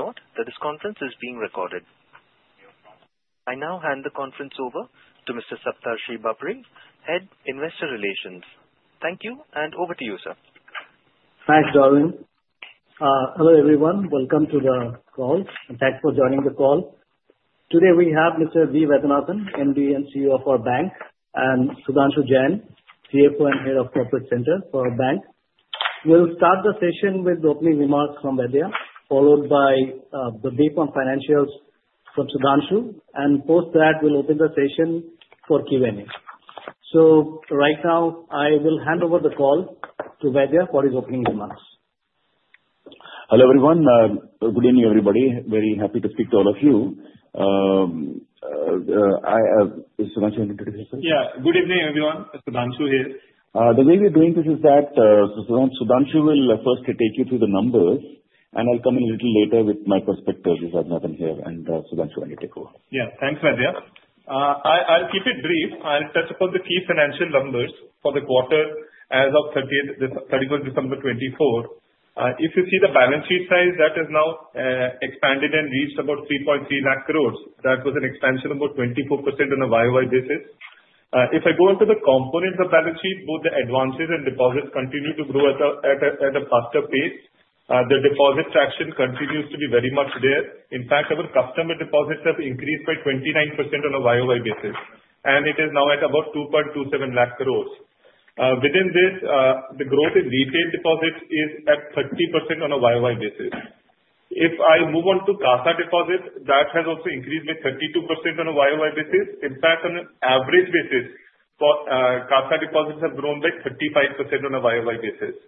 Please note that this conference is being recorded. I now hand the conference over to Mr. Saptarshi Bapari, Head Investor Relations. Thank you, and over to you, sir. Thanks, Darleen. Hello everyone. Welcome to the call. Thanks for joining the call. Today we have Mr. V. Vaidyanathan, MD and CEO of our bank, and Sudhanshu Jain, CFO and Head of Corporate Center for our bank. We'll start the session with the opening remarks from V. V., followed by the brief on financials from Sudhanshu, and post that, we'll open the session for Q&A. So right now, I will hand over the call to V. V. for his opening remarks. Hello everyone. Good evening, everybody. Very happy to speak to all of you. Is Sudhanshu able to hear us? Yeah. Good evening, everyone. Sudhanshu here. The way we're doing this is that Sudhanshu will first take you through the numbers, and I'll come in a little later with my perspective, which I've not done here, and Sudhanshu, I'll take over. Yeah. Thanks, IDFC. I'll keep it brief. I'll touch upon the key financial numbers for the quarter as of 31st December 2024. If you see the balance sheet size, that has now expanded and reached about 3.3 lakh crores. That was an expansion of about 24% on a YoY basis. If I go into the components of the balance sheet, both the advances and deposits continue to grow at a faster pace. The deposit traction continues to be very much there. In fact, our customer deposits have increased by 29% on a YoY basis, and it is now at about 2.27 lakh crores. Within this, the growth in retail deposits is at 30% on a YoY basis. If I move on to CASA deposits, that has also increased by 32% on a YoY basis. In fact, on an average basis, CASA deposits have grown by 35% on a YoY basis.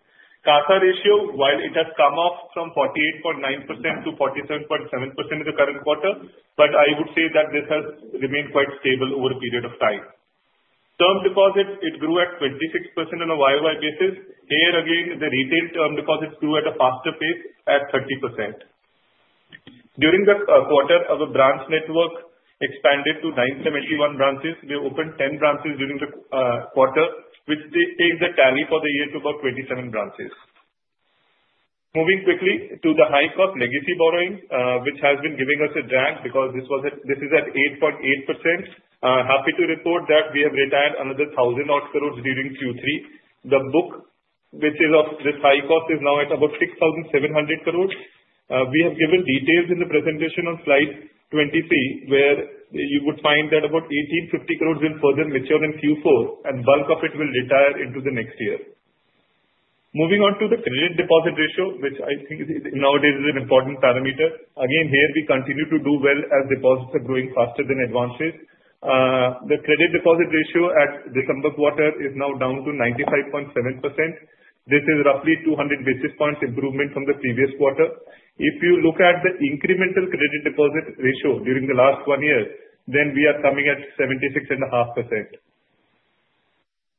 CASA ratio, while it has come up from 48.9% to 47.7% in the current quarter, but I would say that this has remained quite stable over a period of time. Term deposits, it grew at 26% on a YoY basis. Here, again, the retail term deposits grew at a faster pace at 30%. During the quarter, our branch network expanded to 971 branches. We opened 10 branches during the quarter, which takes the tally for the year to about 27 branches. Moving quickly to the high-cost legacy borrowing, which has been giving us a drag because this is at 8.8%. Happy to report that we have retired another 1,000-odd crores during Q3. The book, which is of this high cost, is now at about 6,700 crores. We have given details in the presentation on slide 23, where you would find that about 1,850 crores is further matured in Q4, and bulk of it will retire into the next year. Moving on to the credit deposit ratio, which I think nowadays is an important parameter. Again, here we continue to do well as deposits are growing faster than advances. The credit deposit ratio at December quarter is now down to 95.7%. This is roughly 200 basis points improvement from the previous quarter. If you look at the incremental credit deposit ratio during the last one year, then we are coming at 76.5%.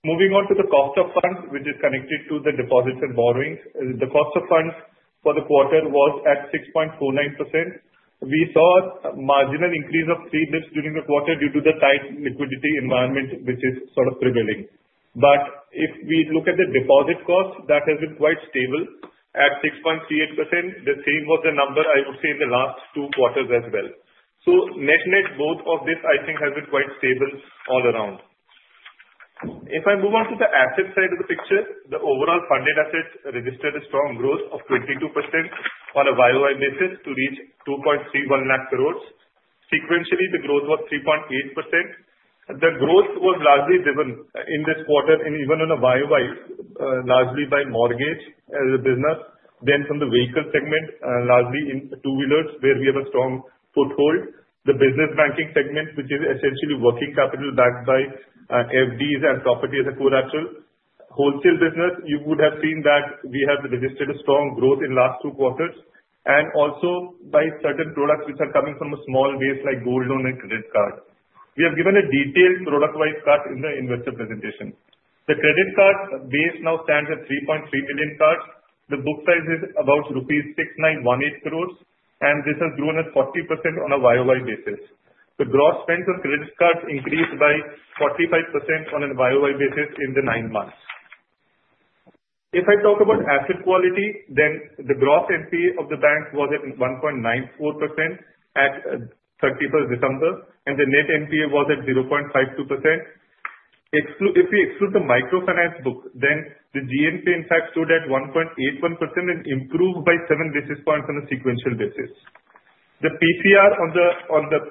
Moving on to the cost of funds, which is connected to the deposits and borrowings. The cost of funds for the quarter was at 6.49%. We saw a marginal increase of 3 basis points during the quarter due to the tight liquidity environment, which is sort of prevailing, but if we look at the deposit cost, that has been quite stable at 6.38%. The same was the number, I would say, in the last two quarters as well, so net-net, both of this, I think, has been quite stable all around. If I move on to the asset side of the picture, the overall funded assets registered a strong growth of 22% on a YoY basis to reach 2.31 lakh crores. Sequentially, the growth was 3.8%. The growth was largely driven in this quarter and even on a YoY, largely by mortgage as a business, then from the vehicle segment, largely in two-wheelers, where we have a strong foothold. The business banking segment, which is essentially working capital backed by FDs and property as a collateral. Wholesale business, you would have seen that we have registered a strong growth in the last two quarters, and also by certain products which are coming from a small base like gold loan and credit card. We have given a detailed product-wise cut in the investor presentation. The credit card base now stands at 3.3 million cards. The book size is about rupees 6,918 crores, and this has grown at 40% on a YoY basis. The gross spend on credit cards increased by 45% on a YoY basis in the nine months. If I talk about asset quality, then the gross NPA of the bank was at 1.94% at 31st December, and the net NPA was at 0.52%. If we exclude the microfinance book, then the gross NPA, in fact, stood at 1.81% and improved by 7 basis points on a sequential basis. The PCR on the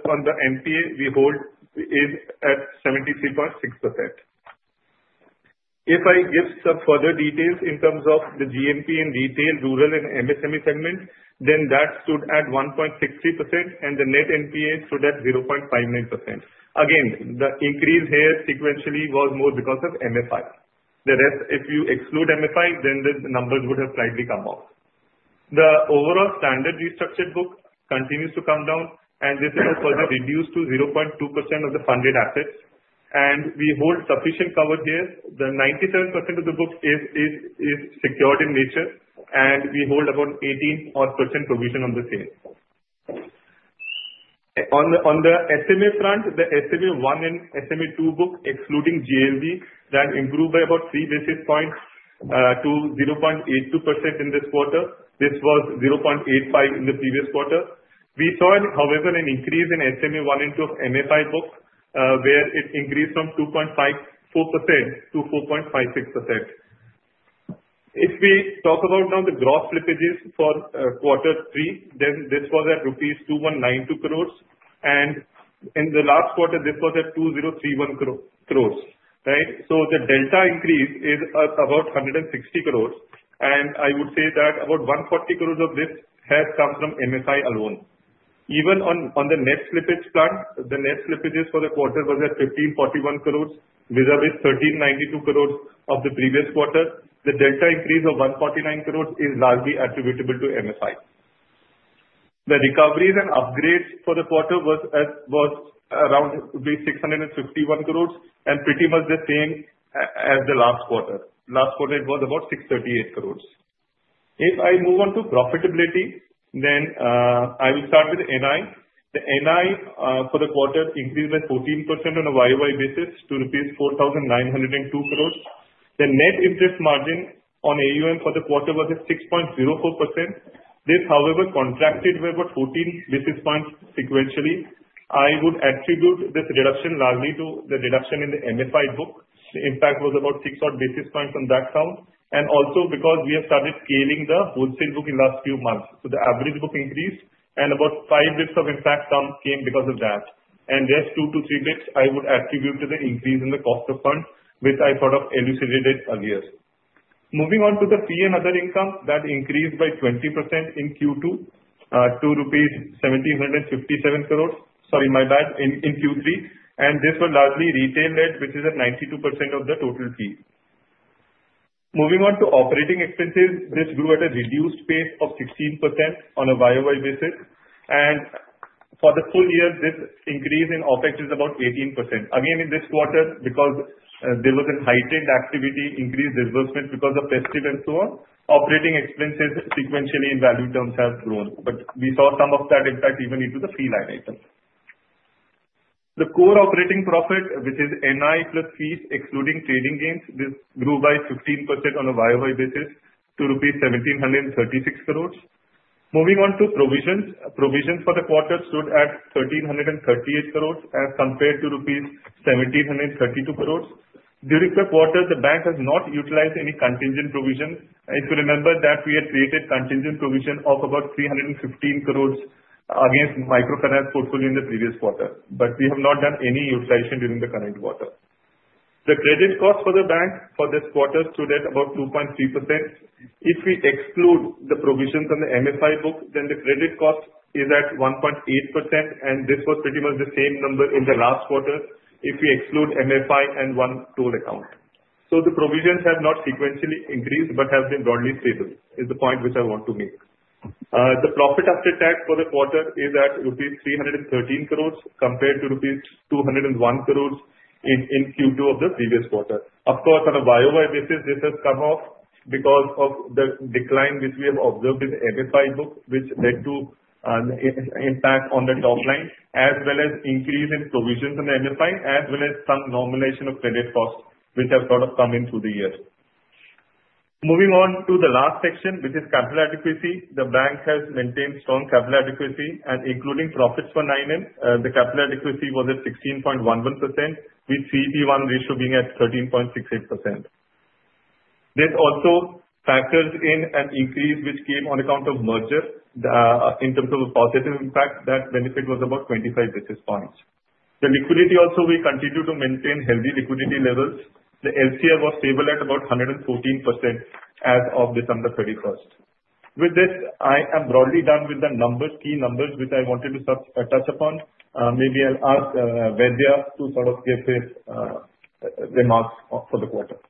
NPA we hold is at 73.6%. If I give some further details in terms of the GNPA in retail, rural, and MSME segment, then that stood at 1.63%, and the net NPA stood at 0.59%. Again, the increase here sequentially was more because of MFI. The rest, if you exclude MFI, then the numbers would have slightly come off. The overall standard restructured book continues to come down, and this is further reduced to 0.2% of the funded assets, and we hold sufficient cover here. The 97% of the book is secured in nature, and we hold about 18% provision on the same. On the SMA front, the SMA I and SMA II book, excluding GTL, that improved by about 3 basis points to 0.82% in this quarter. This was 0.85% in the previous quarter. We saw, however, an increase in SMA I and II of MFI book, where it increased from 2.54% to 4.56%. If we talk about now the gross slippages for quarter three, then this was at rupees 2,192 crores, and in the last quarter, this was at 2,031 crores. So the delta increase is about 160 crores, and I would say that about 140 crores of this has come from MFI alone. Even on the net slippage front, the net slippages for the quarter was at 1,541 crores, vis-à-vis 1,392 crores of the previous quarter. The delta increase of 149 crores is largely attributable to MFI. The recoveries and upgrades for the quarter was around 651 crores and pretty much the same as the last quarter. Last quarter, it was about 638 crores. If I move on to profitability, then I will start with NII. The NII for the quarter increased by 14% on a YoY basis to rupees 4,902 crores. The net interest margin on AUM for the quarter was at 6.04%. This, however, contracted by about 14 basis points sequentially. I would attribute this reduction largely to the reduction in the MFI book. The impact was about 6 odd basis points on that count, and also because we have started scaling the wholesale book in the last few months. So the average book increased, and about 5 dips of impact came because of that. And just 2 to 3 dips I would attribute to the increase in the cost of funds, which I sort of elucidated earlier. Moving on to the fee and other income, that increased by 20% in Q2 to 1,757 crores. Sorry, my bad. In Q3, and this was largely retail led, which is at 92% of the total fee. Moving on to operating expenses, this grew at a reduced pace of 16% on a YoY basis, and for the full year, this increase in OpEx is about 18%. Again, in this quarter, because there was a heightened activity, increased disbursement because of festivals and so on, operating expenses sequentially in value terms have grown, but we saw some of that impact even into the fee line items. The core operating profit, which is NII+ fees excluding trading gains, this grew by 15% on a YoY basis to rupees 1,736 crores. Moving on to provisions, provisions for the quarter stood at 1,338 crores as compared to rupees 1,732 crores. During the quarter, the bank has not utilized any contingent provision. If you remember that we had created contingent provision of about 315 crores against microfinance portfolio in the previous quarter, but we have not done any utilization during the current quarter. The credit cost for the bank for this quarter stood at about 2.3%. If we exclude the provisions on the MFI book, then the credit cost is at 1.8%, and this was pretty much the same number in the last quarter if we exclude MFI and one toll account. So the provisions have not sequentially increased but have been broadly stable, is the point which I want to make. The profit after tax for the quarter is at rupees 313 crores compared to rupees 201 crores in Q2 of the previous quarter. Of course, on a YoY basis, this has come off because of the decline which we have observed in the MFI book, which led to an impact on the top line, as well as increase in provisions on the MFI, as well as some normalization of credit costs, which have sort of come in through the year. Moving on to the last section, which is capital adequacy, the bank has maintained strong capital adequacy, and including profits for nine months, the capital adequacy was at 16.11%, with CET1 ratio being at 13.68%. This also factors in an increase which came on account of merger. In terms of a positive impact, that benefit was about 25 basis points. The liquidity also, we continue to maintain healthy liquidity levels. The LCR was stable at about 114% as of December 31st. With this, I am broadly done with the key numbers which I wanted to touch upon. Maybe I'll ask IDFC to sort of give his remarks for the quarter.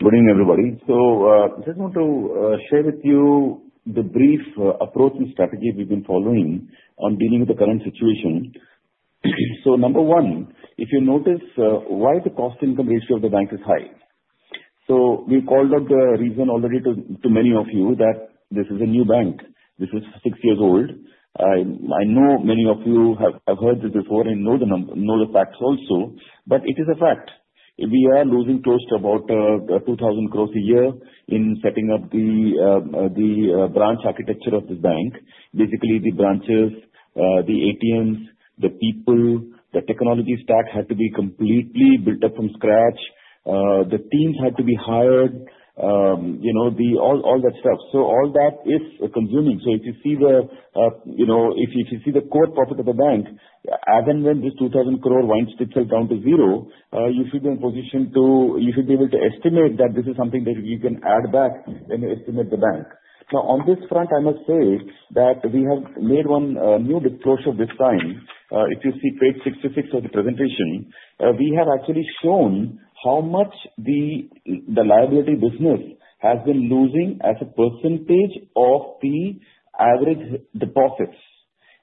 Good evening, everybody. So I just want to share with you the brief approach and strategy we've been following on dealing with the current situation. So number one, if you notice why the cost-to-income ratio of the bank is high. So we've called out the reason already to many of you that this is a new bank. This is six years old. I know many of you have heard this before and know the facts also, but it is a fact. We are losing close to about 2,000 crores a year in setting up the branch architecture of this bank. Basically, the branches, the ATMs, the people, the technology stack had to be completely built up from scratch. The teams had to be hired, all that stuff. So all that is consuming. So if you see the core profit of the bank, as and when this 2,000 crore winds itself down to zero, you should be able to estimate that this is something that you can add back and estimate the bank. Now, on this front, I must say that we have made one new disclosure this time. If you see page 66 of the presentation, we have actually shown how much the liability business has been losing as a percentage of the average deposits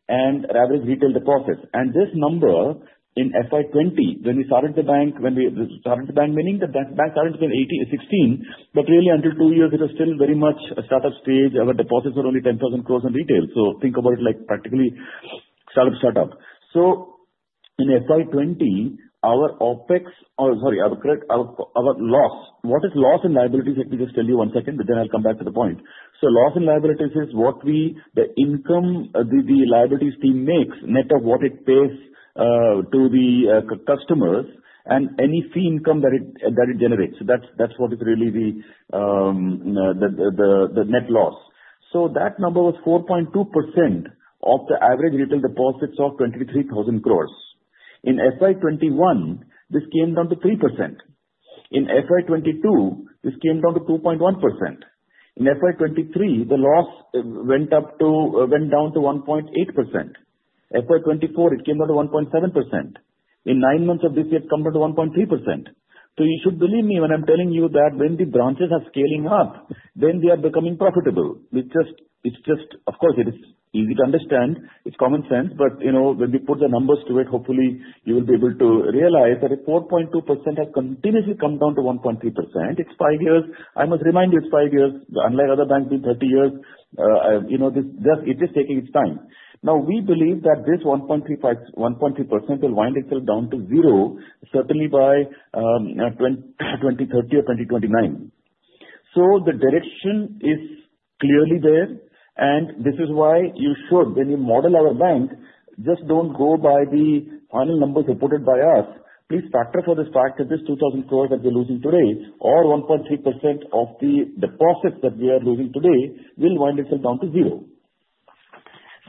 and average retail deposits. And this number in FY20, when we started the bank, meaning the bank started in 2016, but really until two years, it was still very much a startup stage. Our deposits were only 10,000 crores in retail. Think about it like practically startup. In FY20, our OpEx, sorry, our loss. What is loss and liabilities? Let me just tell you one second, but then I'll come back to the point. Loss and liabilities is what the income the liabilities team makes, net of what it pays to the customers and any fee income that it generates. That's what is really the net loss. That number was 4.2% of the average retail deposits of 23,000 crores. In FY21, this came down to 3%. In FY22, this came down to 2.1%. In FY23, the loss went down to 1.8%. In FY24, it came down to 1.7%. In nine months of this year, it comes down to 1.3%. You should believe me when I'm telling you that when the branches are scaling up, then they are becoming profitable. It's just, of course, it is easy to understand. It's common sense, but when we put the numbers to it, hopefully, you will be able to realize that 4.2% has continuously come down to 1.3%. It's five years. I must remind you, it's five years. Unlike other banks being 30 years, it is taking its time. Now, we believe that this 1.3% will wind itself down to zero, certainly by 2030 or 2029. So the direction is clearly there, and this is why you should, when you model our bank, just don't go by the final numbers reported by us. Please factor for the fact that this 2,000 crores that we're losing today, or 1.3% of the deposits that we are losing today, will wind itself down to zero.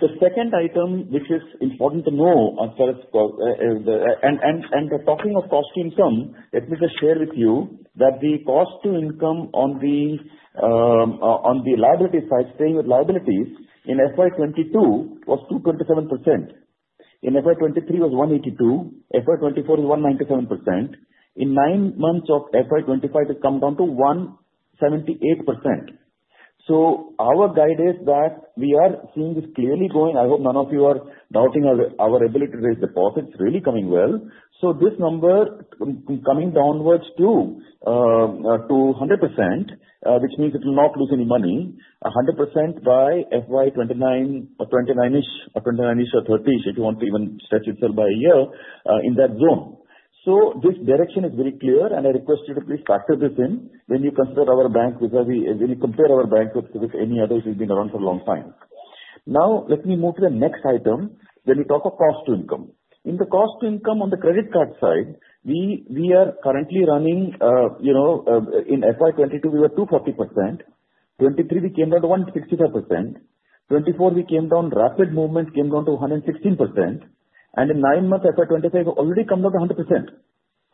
The second item, which is important to know as far as and talking of cost to income, let me just share with you that the cost to income on the liability side, staying with liabilities, in FY22 was 227%. In FY23, it was 182%. FY24 is 197%. In nine months of FY25, it has come down to 178%. So our guide is that we are seing this clearly going. I hope none of you are doubting our ability to raise deposits. It's really coming well. So this number coming downwards to 100%, which means it will not lose any money, 100% by FY29-ish or 29-ish or 30-ish, if you want to even stretch itself by a year in that zone. So this direction is very clear, and I request you to please factor this in when you consider our bank, when you compare our bank with any others we've been around for a long time. Now, let me move to the next item. When we talk of cost to income, in the cost to income on the credit card side, we are currently running in FY22, we were 240%. '23, we came down to 165%. '24, we came down. Rapid movement came down to 116%. And in nine months, FY25, we've already come down to 100%.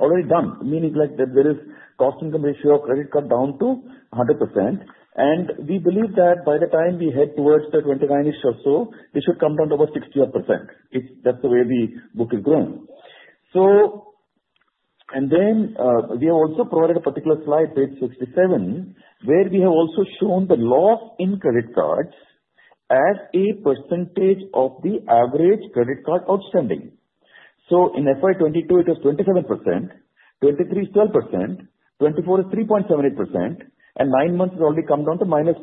Already done. Meaning that there is cost income ratio of credit card down to 100%. And we believe that by the time we head towards the '29-ish or so, it should come down to about 60%. That's the way the book is growing. And then we have also provided a particular slide, page 67, where we have also shown the loss in credit cards as a percentage of the average credit card outstanding. So in FY2022, it was 27%. 2023 is 12%. 2024 is 3.78%. And nine months has already come down to -0.11%.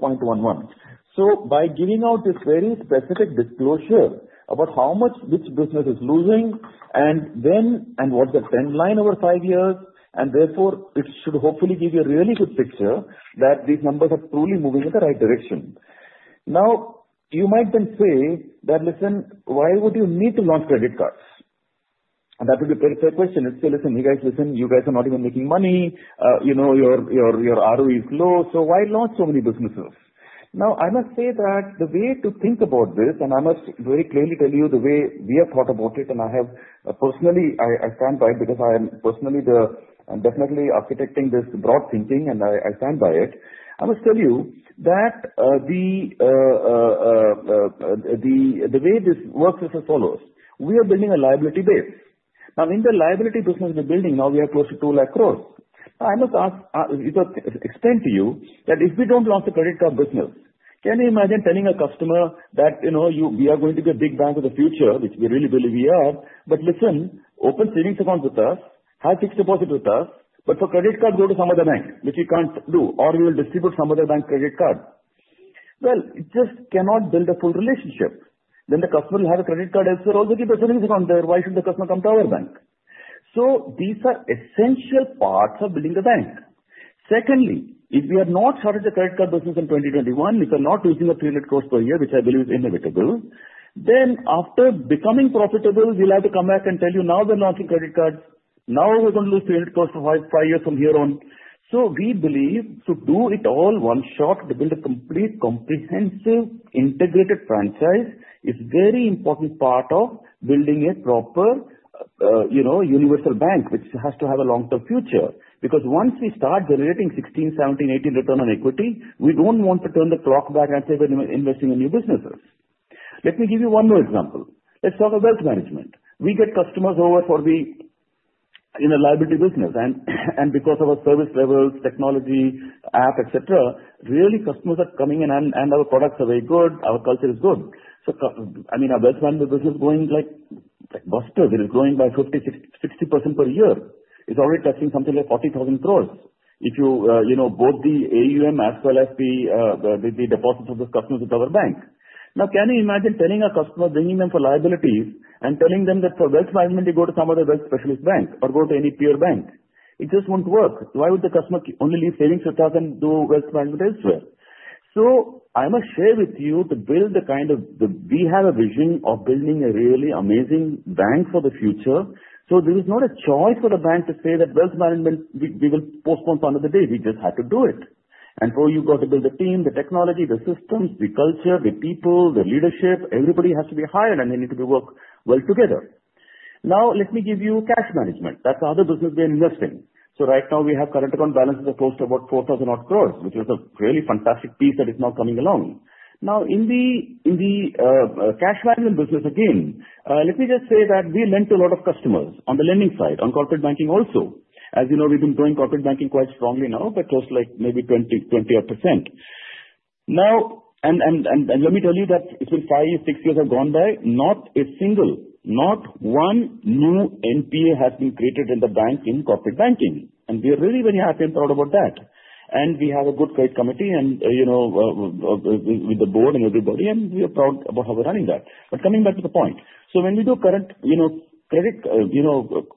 So by giving out this very specific disclosure about how much which business is losing and what's the trend line over five years, and therefore, it should hopefully give you a really good picture that these numbers are truly moving in the right direction. Now, you might then say that, "Listen, why would you need to launch credit cards?" And that would be a perfect question. Let's say, "Listen, you guys, listen, you guys are not even making money. Your ROE is low. So why launch so many businesses?" Now, I must say that the way to think about this, and I must very clearly tell you the way we have thought about it, and I have personally, I stand by it because I am personally definitely architecting this broad thinking, and I stand by it. I must tell you that the way this works is as follows. We are building a liability base. Now, in the liability business we're building, now we have close to 2 lakh crores. I must explain to you that if we don't launch a credit card business, can you imagine telling a customer that we are going to be a big bank of the future, which we really believe we are, but listen, open savings accounts with us, have fixed deposit with us, but for credit cards, go to some other bank, which we can't do, or we will distribute some other bank credit card? Well, it just cannot build a full relationship. Then the customer will have a credit card elsewhere also keep a savings account there. Why should the customer come to our bank? So these are essential parts of building the bank. Secondly, if we have not started the credit card business in 2021, if we're not losing INR 300 crores per year, which I believe is inevitable, then after becoming profitable, we'll have to come back and tell you, "Now we're launching credit cards. Now we're going to lose 300 crores for five years from here on." So we believe to do it all one shot, to build a complete comprehensive integrated franchise is a very important part of building a proper universal bank, which has to have a long-term future. Because once we start generating 16, 17, 18 return on equity, we don't want to turn the clock back and say we're investing in new businesses. Let me give you one more example. Let's talk about wealth management. We get customers over for the liability business. And because of our service levels, technology, app, etc., really, customers are coming in, and our products are very good. Our culture is good. So I mean, our wealth management business is going like gangbusters. It is growing by 50%–60% per year. It is already touching something like 40,000 crores if you add both the AUM as well as the deposits of the customers with our bank. Now, can you imagine telling a customer, bringing them for liabilities, and telling them that for wealth management, you go to some other wealth specialist bank or go to any peer bank? It just won't work. Why would the customer only leave savings with us and do wealth management elsewhere? So I must share with you to build the kind of we have a vision of building a really amazing bank for the future. There is not a choice for the bank to say that wealth management, we will postpone for another day. We just have to do it. And for you, you've got to build the team, the technology, the systems, the culture, the people, the leadership. Everybody has to be hired, and they need to work well together. Now, let me give you cash management. That's the other business we're investing. So right now, we have current account balances of close to about 4,000-odd crores, which is a really fantastic piece that is now coming along. Now, in the cash management business, again, let me just say that we lend to a lot of customers on the lending side, on corporate banking also. As you know, we've been doing corporate banking quite strongly now, but close to like maybe 20-odd%. Now, and let me tell you that it's been five, six years have gone by. Not a single, not one new NPA has been created in the bank in corporate banking. And we are really, really happy and proud about that. And we have a good committee with the board and everybody, and we are proud about how we're running that. But coming back to the point, so when we do current credit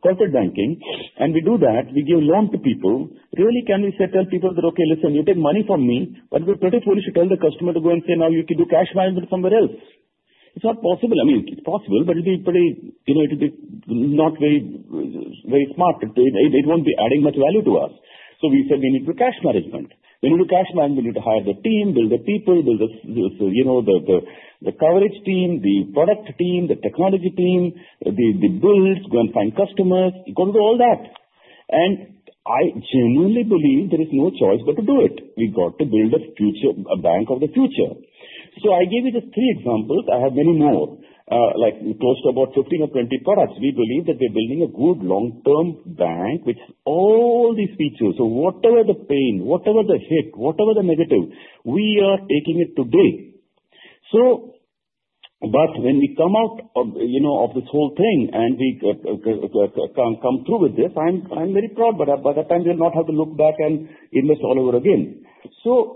corporate banking, and we do that, we give loans to people. Really, can we tell people that, "Okay, listen, you take money from me, but we're pretty foolish to tell the customer to go and say, 'Now, you can do cash management somewhere else'?" It's not possible. I mean, it's possible, but it would be pretty, it would be not very smart. It won't be adding much value to us. We said we need to do cash management. When you do cash management, you need to hire the team, build the people, build the coverage team, the product team, the technology team, the builds, go and find customers. You've got to do all that. I genuinely believe there is no choice but to do it. We've got to build a future bank of the future. I gave you just three examples. I have many more, like close to about 15 or 20 products. We believe that we're building a good long-term bank with all these features. Whatever the pain, whatever the hit, whatever the negative, we are taking it today. When we come out of this whole thing and we come through with this, I'm very proud. By that time, we'll not have to look back and invest all over again.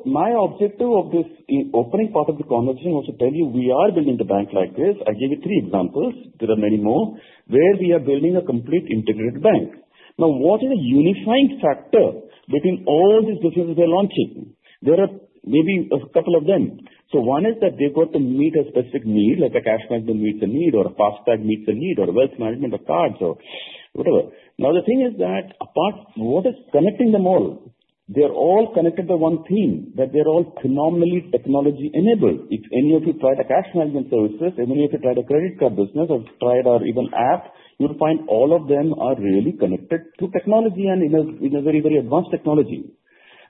My objective of this opening part of the conversation was to tell you we are building the bank like this. I gave you three examples. There are many more where we are building a complete integrated bank. Now, what is the unifying factor between all these businesses we're launching? There are maybe a couple of them. One is that they've got to meet a specific need, like a cash management meets a need or a FASTag meets a need or a wealth management or cards or whatever. Now, the thing is that what is connecting them all? They're all connected to one thing, that they're all phenomenally technology-enabled. If any of you tried a cash management services, if any of you tried a credit card business or tried our even app, you'll find all of them are really connected to technology and in a very, very advanced technology.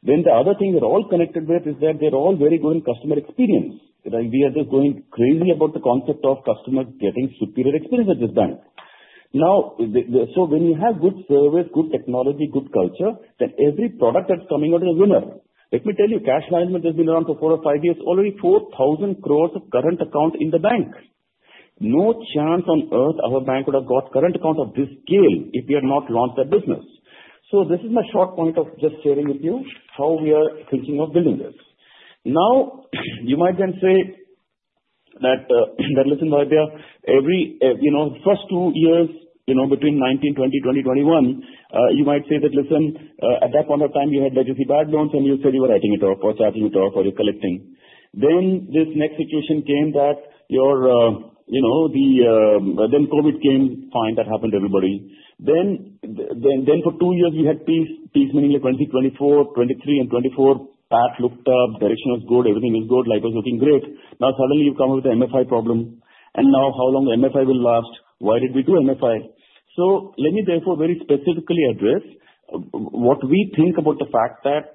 Then the other thing they're all connected with is that they're all very good in customer experience. We are just going crazy about the concept of customers getting superior experience at this bank. Now, so when you have good service, good technology, good culture, then every product that's coming out is a winner. Let me tell you, cash management has been around for four or five years, already 4,000 crores of current account in the bank. No chance on earth our bank would have got current account of this scale if we had not launched that business. This is my short point of just sharing with you how we are thinking of building this. Now, you might then say that, "Listen, Vaidya, every first two years between 2019, 2020, 2020, 2021," you might say that, "Listen, at that point of time, you had legacy bad loans, and you said you were writing it off or charging it off or you're collecting." Then this next situation came that your then COVID came. Fine. That happened to everybody. Then for two years, we had peace, meaning like 2020, 2024, 2023, and 2024. Path looked up. Direction was good. Everything was good. Life was looking great. Now, suddenly, you've come up with the MFI problem. And now, how long the MFI will last? Why did we do MFI? Let me, therefore, very specifically address what we think about the fact that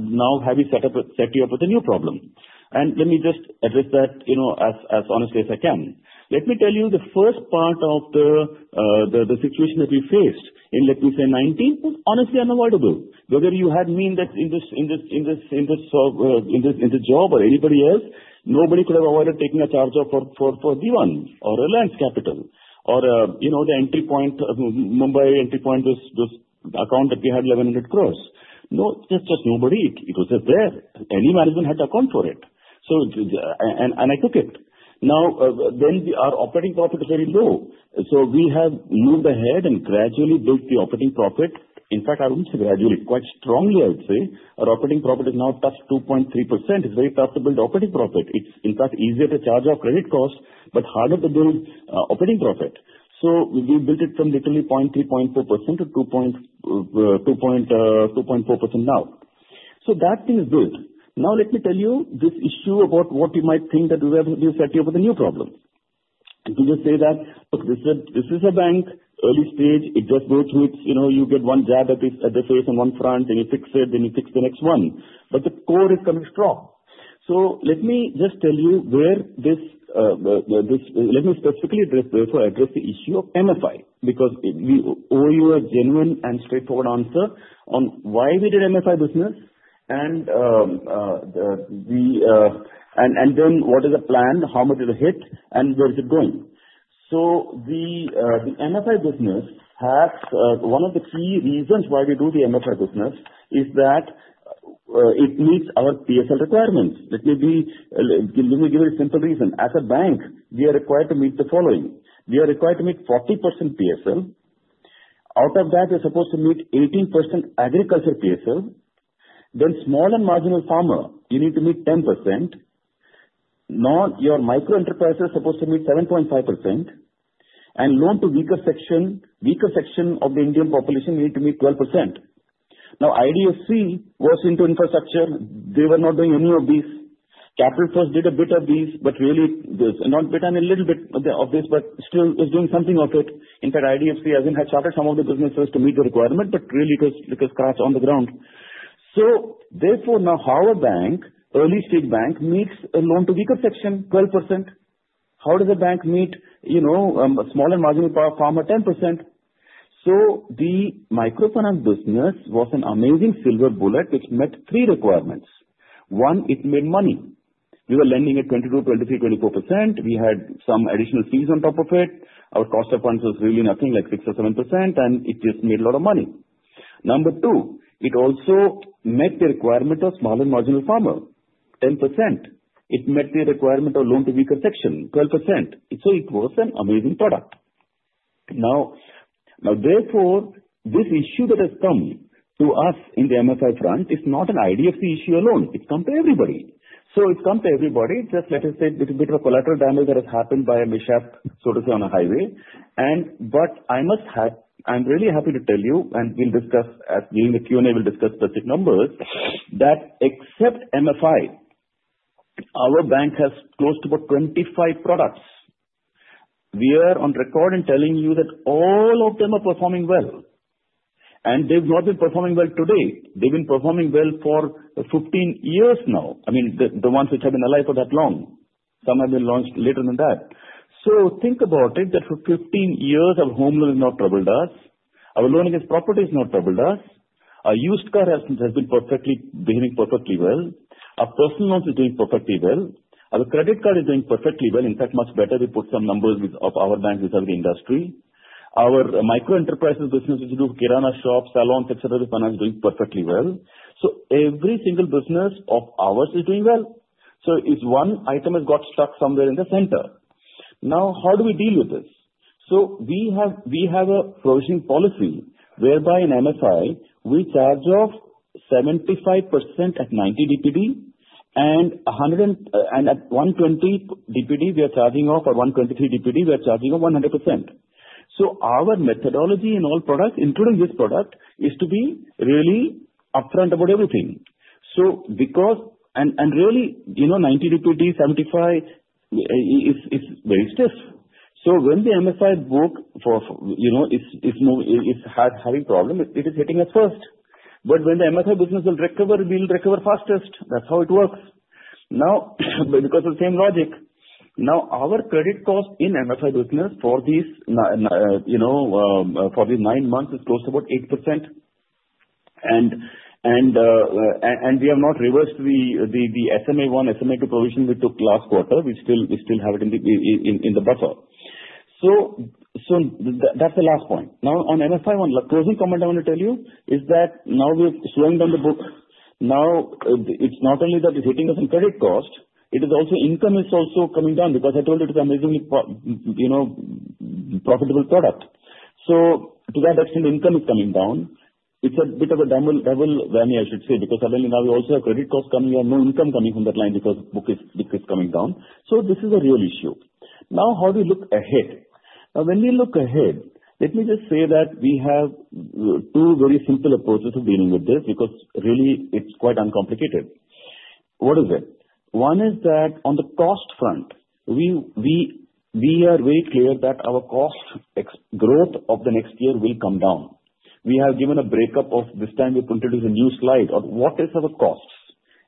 now you've set us up with a new problem. And let me just address that as honestly as I can. Let me tell you the first part of the situation that we faced in, let me say, 2019 was honestly unavoidable. Whether you had me in this job or anybody else, nobody could have avoided taking a charge-off for Dewan or Reliance Capital or the entry point, Mumbai Entry Point, this account that we had, 1,100 crores. No, that's just no one. It was just there. Any management had to account for it. And I took it. Now, then our operating profit was very low. So we have moved ahead and gradually built the operating profit. In fact, I wouldn't say gradually. Quite strongly, I'd say. Our operating profit has now touched 2.3%. It's very tough to build operating profit. It's, in fact, easier to charge our credit cost, but harder to build operating profit. So we built it from literally 0.3%, 0.4% to 2.4% now. So that thing is built. Now, let me tell you this issue about what you might think that we have set you up with a new problem. We just say that, "Look, this is a bank, early stage. It just goes through its you get one jab at the face and one front, then you fix it, then you fix the next one." But the core is coming strong. Let me just tell you. Let me specifically address the issue of MFI because we owe you a genuine and straightforward answer on why we did MFI business and then what is the plan, how much is the hit, and where is it going. The MFI business has one of the key reasons why we do the MFI business is that it meets our PSL requirements. Let me give you a simple reason. As a bank, we are required to meet the following. We are required to meet 40% PSL. Out of that, we're supposed to meet 18% agriculture PSL. Then small and marginal farmer, you need to meet 10%. Now, your microenterprise is supposed to meet 7.5%. And loan to weaker section of the Indian population, you need to meet 12%. Now, IDFC was into infrastructure. They were not doing any of these. Capital First did a bit of these, but really, not a bit and a little bit of this, but still is doing something of it. In fact, IDFC has not chartered some of the businesses to meet the requirement, but really, it was started on the ground. So therefore, now, how a bank, early-stage bank, meets a loan to weaker section, 12%? How does a bank meet a small and marginal farmer, 10%? So the microfinance business was an amazing silver bullet, which met three requirements. One, it made money. We were lending at 22%, 23%, 24%. We had some additional fees on top of it. Our cost of funds was really nothing, like 6% or 7%, and it just made a lot of money. Number two, it also met the requirement of small and marginal farmer, 10%. It met the requirement of loan to weaker section, 12%. So it was an amazing product. Now, therefore, this issue that has come to us in the MFI front is not an IDFC issue alone. It's come to everybody. Just let us say a little bit of collateral damage that has happened by a mishap, so to say, on a highway. But I'm really happy to tell you, and we'll discuss during the Q&A, we'll discuss specific numbers that except MFI, our bank has close to about 25 products. We are on record in telling you that all of them are performing well. And they've not been performing well today. They've been performing well for 15 years now. I mean, the ones which have been alive for that long. Some have been launched later than that. So think about it that for 15 years, our home loan has not troubled us. Our loan against property has not troubled us. Our used car has been perfectly behaving perfectly well. Our personal loan is doing perfectly well. Our credit card is doing perfectly well, in fact, much better. We put some numbers of our banks inside the industry. Our microenterprises business, which do Kirana shops, salons, etc., finance is doing perfectly well. So every single business of ours is doing well. So one item has got stuck somewhere in the center. Now, how do we deal with this? So we have a provisioning policy whereby in MFI, we charge off 75% at 90 DPD, and at 120 DPD, we are charging off, or 123 DPD, we are charging off 100%. So our methodology in all products, including this product, is to be really upfront about everything. And really, 90 DPD, 75% is very stiff. So when the MFI book is having problems, it is hitting us first. But when the MFI business will recover, we will recover fastest. That's how it works. Now, because of the same logic, now, our credit cost in MFI business for these nine months is close to about 8%. And we have not reversed the SMA1, SMA2 provision we took last quarter. We still have it in the buffer. So that's the last point. Now, on MFI, one closing comment I want to tell you is that now we're slowing down the book. Now, it's not only that it's hitting us in credit cost, it is also income is also coming down because I told you it's an amazingly profitable product. So to that extent, income is coming down. It's a bit of a double whammy, I should say, because suddenly now we also have credit costs coming in, no income coming from that line because book is coming down. So this is a real issue. Now, how do we look ahead? Now, when we look ahead, let me just say that we have two very simple approaches of dealing with this because really, it's quite uncomplicated. What is it? One is that on the cost front, we are very clear that our cost growth of the next year will come down. We have given a breakup of this time we've introduced a new slide on what is our costs.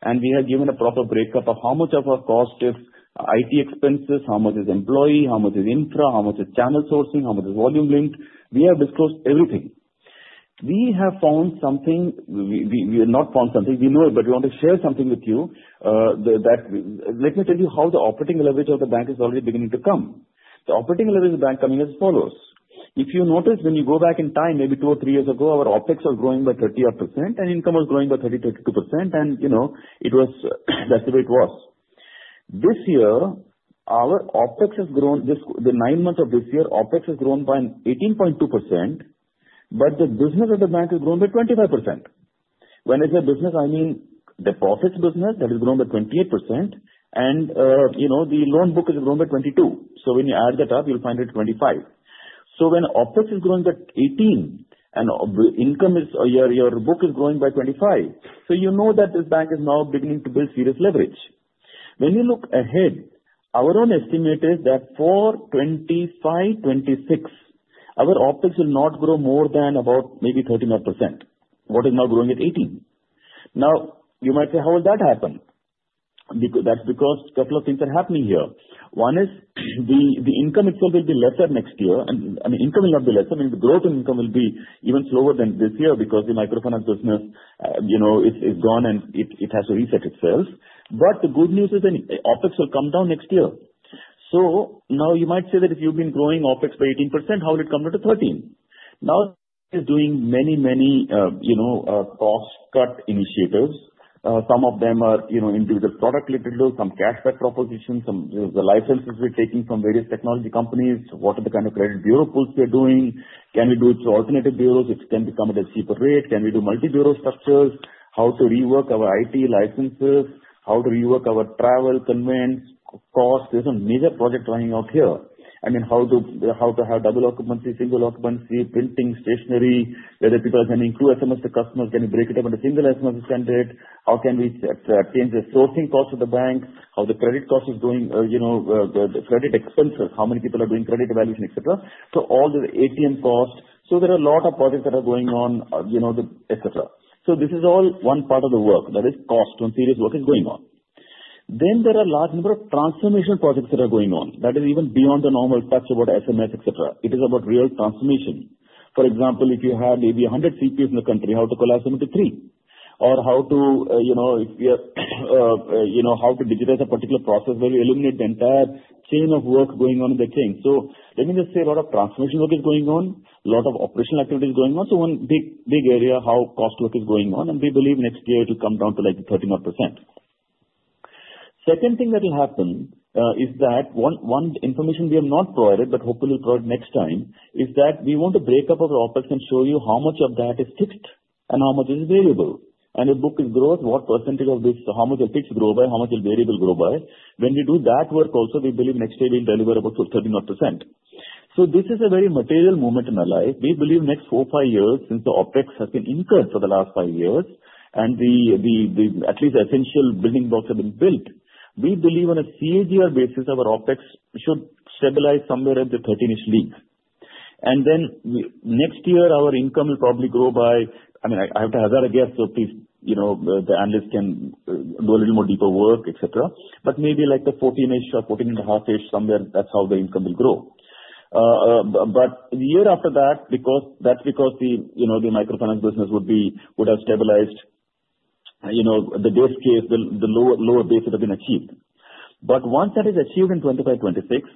And we have given a proper breakup of how much of our cost is IT expenses, how much is employee, how much is infra, how much is channel sourcing, how much is volume linked. We have disclosed everything. We have found something we have not found something. We know it, but we want to share something with you that, let me tell you, how the operating leverage of the bank is already beginning to come. The operating leverage of the bank is coming as follows. If you notice, when you go back in time, maybe two or three years ago, our OpEx was growing by 30%, and income was growing by 30-32%, and that's the way it was. This year, our OpEx has grown in the nine months of this year. OpEx has grown by 18.2%, but the business of the bank has grown by 25%. When I say business, I mean the profits business that has grown by 28%, and the loan book has grown by 22%. So when you add that up, you'll find it 25. When OpEx is growing by 18% and your book is growing by 25%, you know that this bank is now beginning to build serious leverage. When you look ahead, our own estimate is that for 2025, 2026, our OpEx will not grow more than about maybe 13%, what is now growing at 18%. Now, you might say, "How will that happen?" That's because a couple of things are happening here. One is the income itself will be lesser next year. I mean, income will not be lesser. I mean, the growth in income will be even slower than this year because the microfinance business is gone and it has to reset itself. But the good news is OpEx will come down next year. So now you might say that if you've been growing OpEx by 18%, how will it come down to 13%? Now, it is doing many, many cost-cut initiatives. Some of them are individual product-related loans, some cash-back propositions, some licenses we're taking from various technology companies. What are the kind of credit bureau pulls we're doing? Can we do it through alternative bureaus? It can become at a cheaper rate. Can we do multi-bureau structures? How to rework our IT licenses? How to rework our travel conveyance costs? There's a major project running out here. I mean, how to have double occupancy, single occupancy, printing, stationery, whether people are sending through SMS to customers, can you break it up into single SMS standard? How can we change the sourcing cost of the bank? How the credit cost is going, the credit expenses, how many people are doing credit evaluation, etc.? So all the ATM costs. So there are a lot of projects that are going on, etc. This is all one part of the work. That is cost. Some serious work is going on. Then there are a large number of transformation projects that are going on. That is even beyond the normal touch about SMS, etc. It is about real transformation. For example, if you have maybe 100 CPUs in the country, how to collapse them into three? Or how to digitize a particular process where we eliminate the entire chain of work going on in the chain. So let me just say a lot of transformation work is going on, a lot of operational activity is going on. So one big area how cost work is going on, and we believe next year it will come down to like 30%. Second thing that will happen is that one information we have not provided, but hopefully we'll provide next time, is that we want to break up our OpEx and show you how much of that is fixed and how much is variable. And the book is growth, what percentage of this, how much will fixed grow by, how much will variable grow by. When we do that work also, we believe next year we'll deliver about 30%. So this is a very material moment in our life. We believe next four, five years since the OpEx has been incurred for the last five years and at least essential building blocks have been built, we believe on a CAGR basis, our OpEx should stabilize somewhere at the 13-ish league. Then next year, our income will probably grow by, I mean, I have to hazard a guess, so please, the analysts can do a little more deeper work, etc. But maybe like the 14-ish or 14.5-ish, somewhere, that's how the income will grow. But the year after that, that's because the microfinance business would have stabilized. The base case, the lower base would have been achieved. But once that is achieved in 2025, 2026,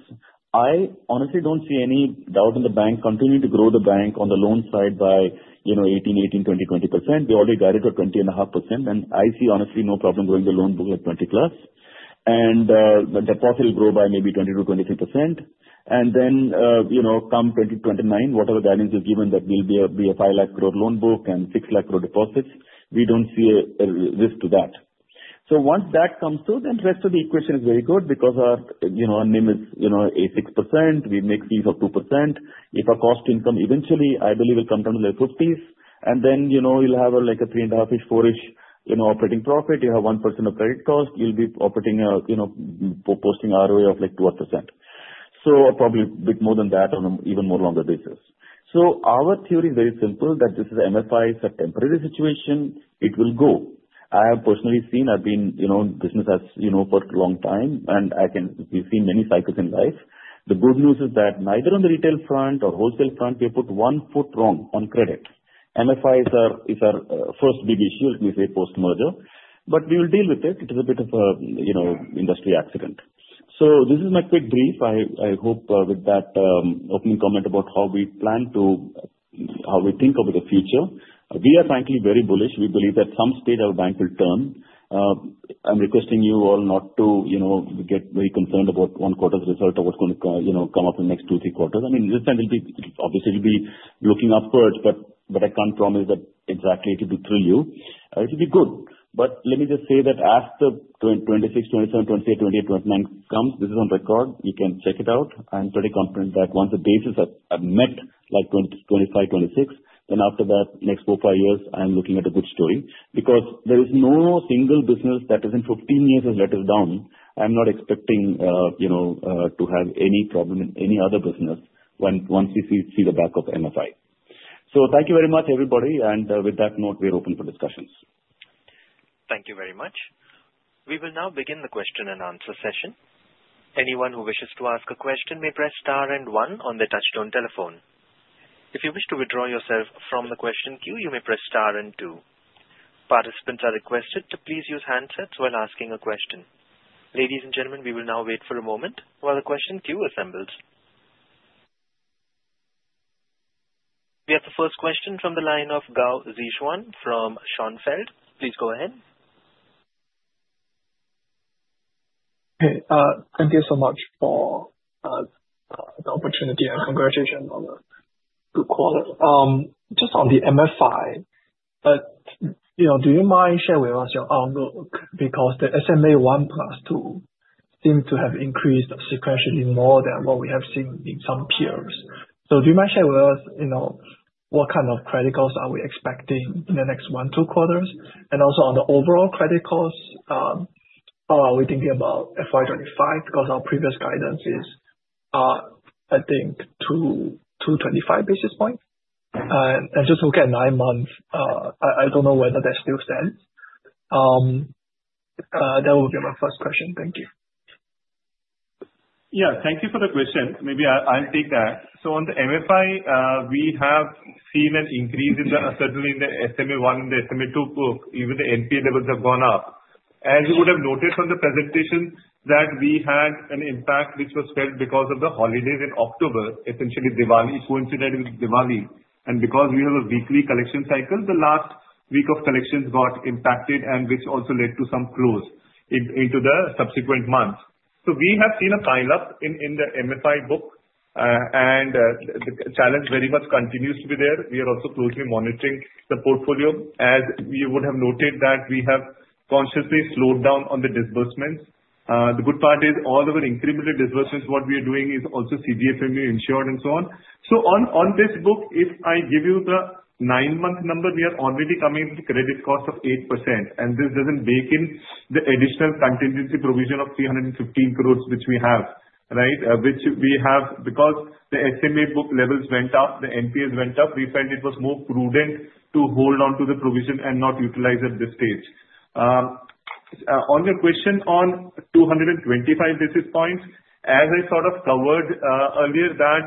I honestly don't see any doubt in the bank continuing to grow the bank on the loan side by 18, 18, 20, 20%. We already guided to 20.5%, and I see honestly no problem going to loan book at 20+. And the deposit will grow by maybe 22%–23%. And then come 2029, whatever guidance is given that we'll be a five lakh crore loan book and six lakh crore deposits, we don't see a risk to that. So once that comes through, then the rest of the equation is very good because our NIM is 86%. We make fees of 2%. If our cost income eventually, I believe, will come down to the 50s, and then you'll have like a three and a half-ish, four-ish operating profit. You have 1% of credit cost. You'll be operating, posting ROA of like 12%. So probably a bit more than that on an even more longer basis. So our theory is very simple that this is MFI is a temporary situation. It will go. I have personally seen, I've been in business for a long time, and we've seen many cycles in life. The good news is that neither on the retail front or wholesale front, we have put one foot wrong on credit. MFI is our first big issue, let me say, post-merger. But we will deal with it. It is a bit of an industry accident. So this is my quick brief. I hope with that opening comment about how we plan to, how we think about the future. We are frankly very bullish. We believe at some stage our bank will turn. I'm requesting you all not to get very concerned about one quarter's result or what's going to come up in the next two, three quarters. I mean, this time we'll be, obviously, we'll be looking upwards, but I can't promise that exactly it will be through you. It will be good. But let me just say that as the 2026, 2027, 2028, 2029 comes, this is on record. You can check it out. I'm pretty confident that once the basis is met, like 2025, 2026, then after that, next four, five years, I'm looking at a good story because there is no single business that has let us down in 15 years. I'm not expecting to have any problem in any other business once we see the back of MFI. So thank you very much, everybody, and with that note, we're open for discussions. Thank you very much. We will now begin the question and answer session. Anyone who wishes to ask a question may press star and one on the touch-tone telephone. If you wish to withdraw yourself from the question queue, you may press star and two. Participants are requested to please use handsets while asking a question. Ladies and gentlemen, we will now wait for a moment while the question queue assembles. We have the first question from the line of Gao Zixuan from Schonfeld. Please go ahead. Okay. Thank you so much for the opportunity and congratulations on the quarter. Just on the MFI, do you mind sharing with us your outlook? Because the SMA1+2 seems to have increased sequentially more than what we have seen in some peers. So do you mind sharing with us what kind of credit costs are we expecting in the next one, two quarters? And also on the overall credit costs, are we thinking about FY25? Because our previous guidance is, I think, to 225 basis points. And just look at nine months, I don't know whether that still stands. That will be my first question. Thank you. Yeah. Thank you for the question. Maybe I'll take that. So on the MFI, we have seen an increase in the, certainly in the SMA I and the SMA II book, even the NPA levels have gone up. As you would have noticed on the presentation, that we had an impact which was felt because of the holidays in October, essentially Diwali, coincident with Diwali. And because we have a weekly collection cycle, the last week of collections got impacted, and which also led to some slippages into the subsequent months. So we have seen a pile-up in the MFI book, and the challenge very much continues to be there. We are also closely monitoring the portfolio. As you would have noted, that we have consciously slowed down on the disbursements. The good part is all of our incremental disbursements, what we are doing is also CGFMU insured and so on. So on this book, if I give you the nine-month number, we are already coming to credit cost of 8%. And this doesn't bake in the additional contingency provision of 315 crores, which we have, right? Which we have because the SMA book levels went up, the NPAs went up. We felt it was more prudent to hold on to the provision and not utilize at this stage. On your question on 225 basis points, as I sort of covered earlier, that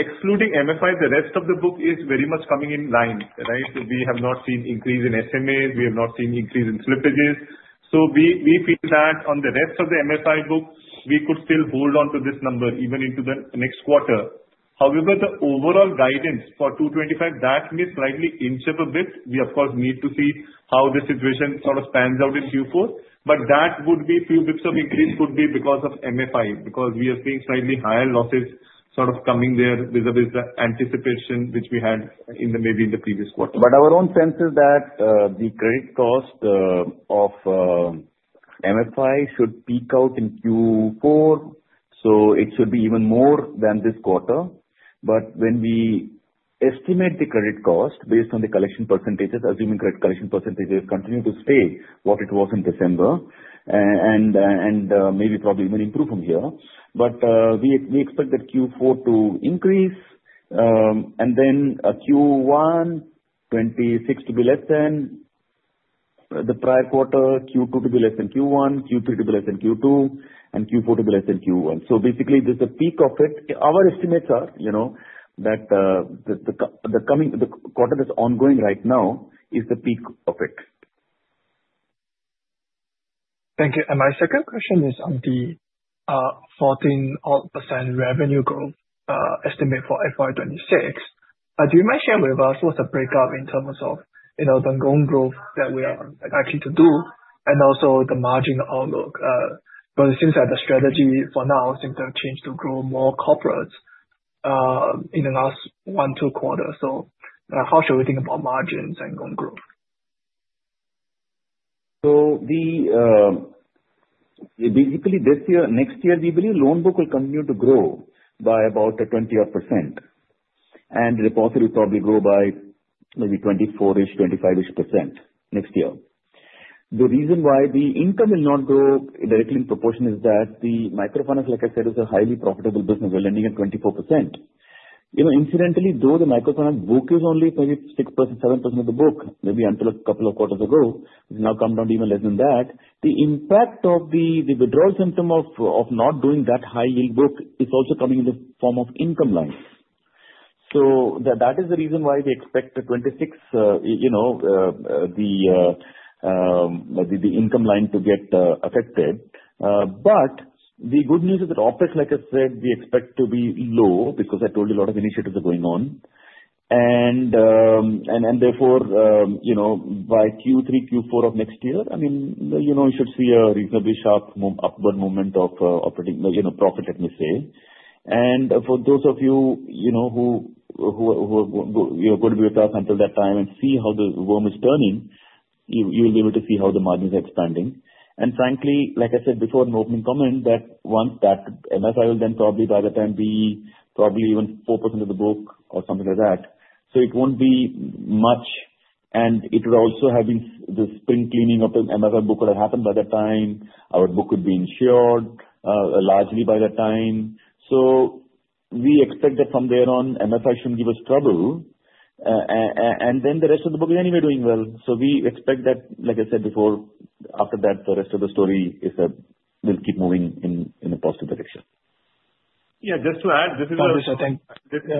excluding MFI, the rest of the book is very much coming in line, right? We have not seen increase in SMAs. We have not seen increase in slippages. So we feel that on the rest of the MFI book, we could still hold on to this number even into the next quarter. However, the overall guidance for 225, that may slightly inch up a bit. We, of course, need to see how the situation sort of pans out in Q4. But that would be a few bits of increase could be because of MFI because we are seeing slightly higher losses sort of coming there vis-à-vis the anticipation which we had maybe in the previous quarter. But our own sense is that the credit cost of MFI should peak out in Q4. So it should be even more than this quarter. But when we estimate the credit cost based on the collection percentages, assuming collection percentages continue to stay what it was in December, and maybe probably even improve from here. But we expect that Q4 to increase, and then Q1 2026 to be less than the prior quarter, Q2 to be less than Q1, Q3 to be less than Q2, and Q4 to be less than Q1. So basically, there's a peak of it. Our estimates are that the quarter that's ongoing right now is the peak of it. Thank you. And my second question is on the 14% revenue growth estimate for FY26. Do you mind sharing with us what's the breakup in terms of the growth that we are likely to do and also the margin outlook? But it seems that the strategy for now seems to have changed to grow more corporates in the last one, two quarters. So how should we think about margins and growth? Basically this year, next year, we believe loan book will continue to grow by about 20-odd%. And deposit will probably grow by maybe 24-ish, 25-ish% next year. The reason why the income will not grow directly in proportion is that the microfinance, like I said, is a highly profitable business. We're lending at 24%. Incidentally, though the microfinance book is only maybe 6%, 7% of the book, maybe until a couple of quarters ago, it's now come down to even less than that. The impact of the withdrawal symptom of not doing that high-yield book is also coming in the form of income lines. So that is the reason why we expect the 2026, the income line to get affected. But the good news is that OpEx, like I said, we expect to be low because I told you a lot of initiatives are going on. And therefore, by Q3, Q4 of next year, I mean, you should see a reasonably sharp upward movement of operating profit, let me say. And for those of you who are going to be with us until that time and see how the worm is turning, you'll be able to see how the margins are expanding. And frankly, like I said before in the opening comment, that once that MFI will then probably by the time be probably even 4% of the book or something like that. So it won't be much. And it would also have been the spring cleaning of the MFI book would have happened by that time. Our book would be insured largely by that time. So we expect that from there on, MFI shouldn't give us trouble. And then the rest of the book is anyway doing well. So we expect that, like I said before, after that, the rest of the story will keep moving in a positive direction. Yeah. Just to add, this is our. Oh, this is your thing.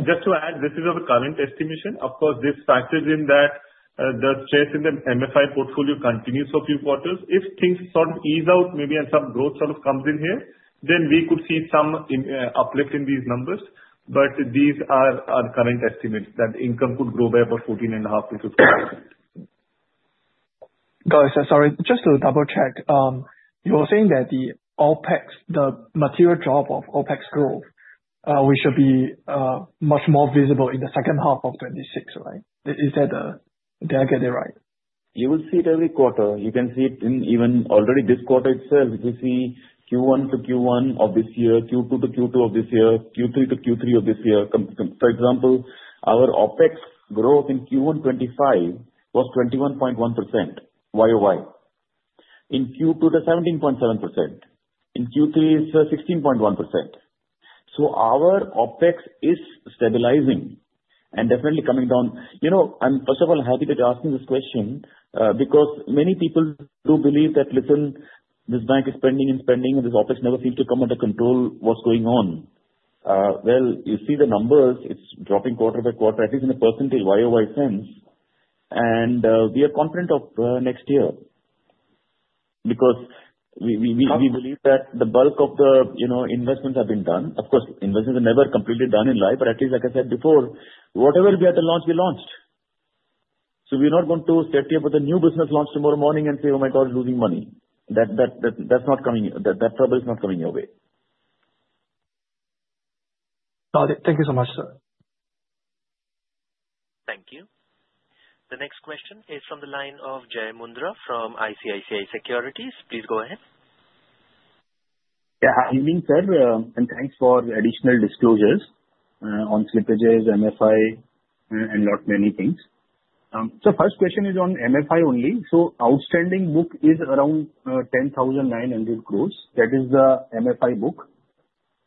Just to add, this is our current estimation. Of course, this factors in that the stress in the MFI portfolio continues for a few quarters. If things sort of ease out, maybe some growth sort of comes in here, then we could see some uplift in these numbers. But these are current estimates that income could grow by about 14.5%–15%. Guys, sorry. Just to double-check, you were saying that the material drop of OpEx growth, which should be much more visible in the second half of 2026, right? Is that—did I get it right? You will see it every quarter. You can see it in even already this quarter itself. You see Q1 to Q1 of this year, Q2 to Q2 of this year, Q3 to Q3 of this year. For example, our OpEx growth in Q1 2025 was 21.1% YoY. In Q2, it's 17.7%. In Q3, it's 16.1%. So our OpEx is stabilizing and definitely coming down. I'm first of all happy that you're asking this question because many people do believe that, listen, this bank is spending and spending, and this OpEx never seems to come under control. What's going on. Well, you see the numbers. It's dropping quarter by quarter, at least in a percentage YoY sense. And we are confident of next year because we believe that the bulk of the investments have been done. Of course, investments are never completely done in life, but at least, like I said before, whatever we had to launch, we launched. So we're not going to sit here with a new business launch tomorrow morning and say, "Oh my God, we're losing money." That's not coming. That trouble is not coming your way. Got it. Thank you so much, sir. Thank you. The next question is from the line of Jai Mundhra from ICICI Securities. Please go ahead. Yeah. Hi, V. V., sir. And thanks for additional disclosures on slippages, MFI, and a lot many things. So first question is on MFI only. So outstanding book is around 10,900 crores. That is the MFI book.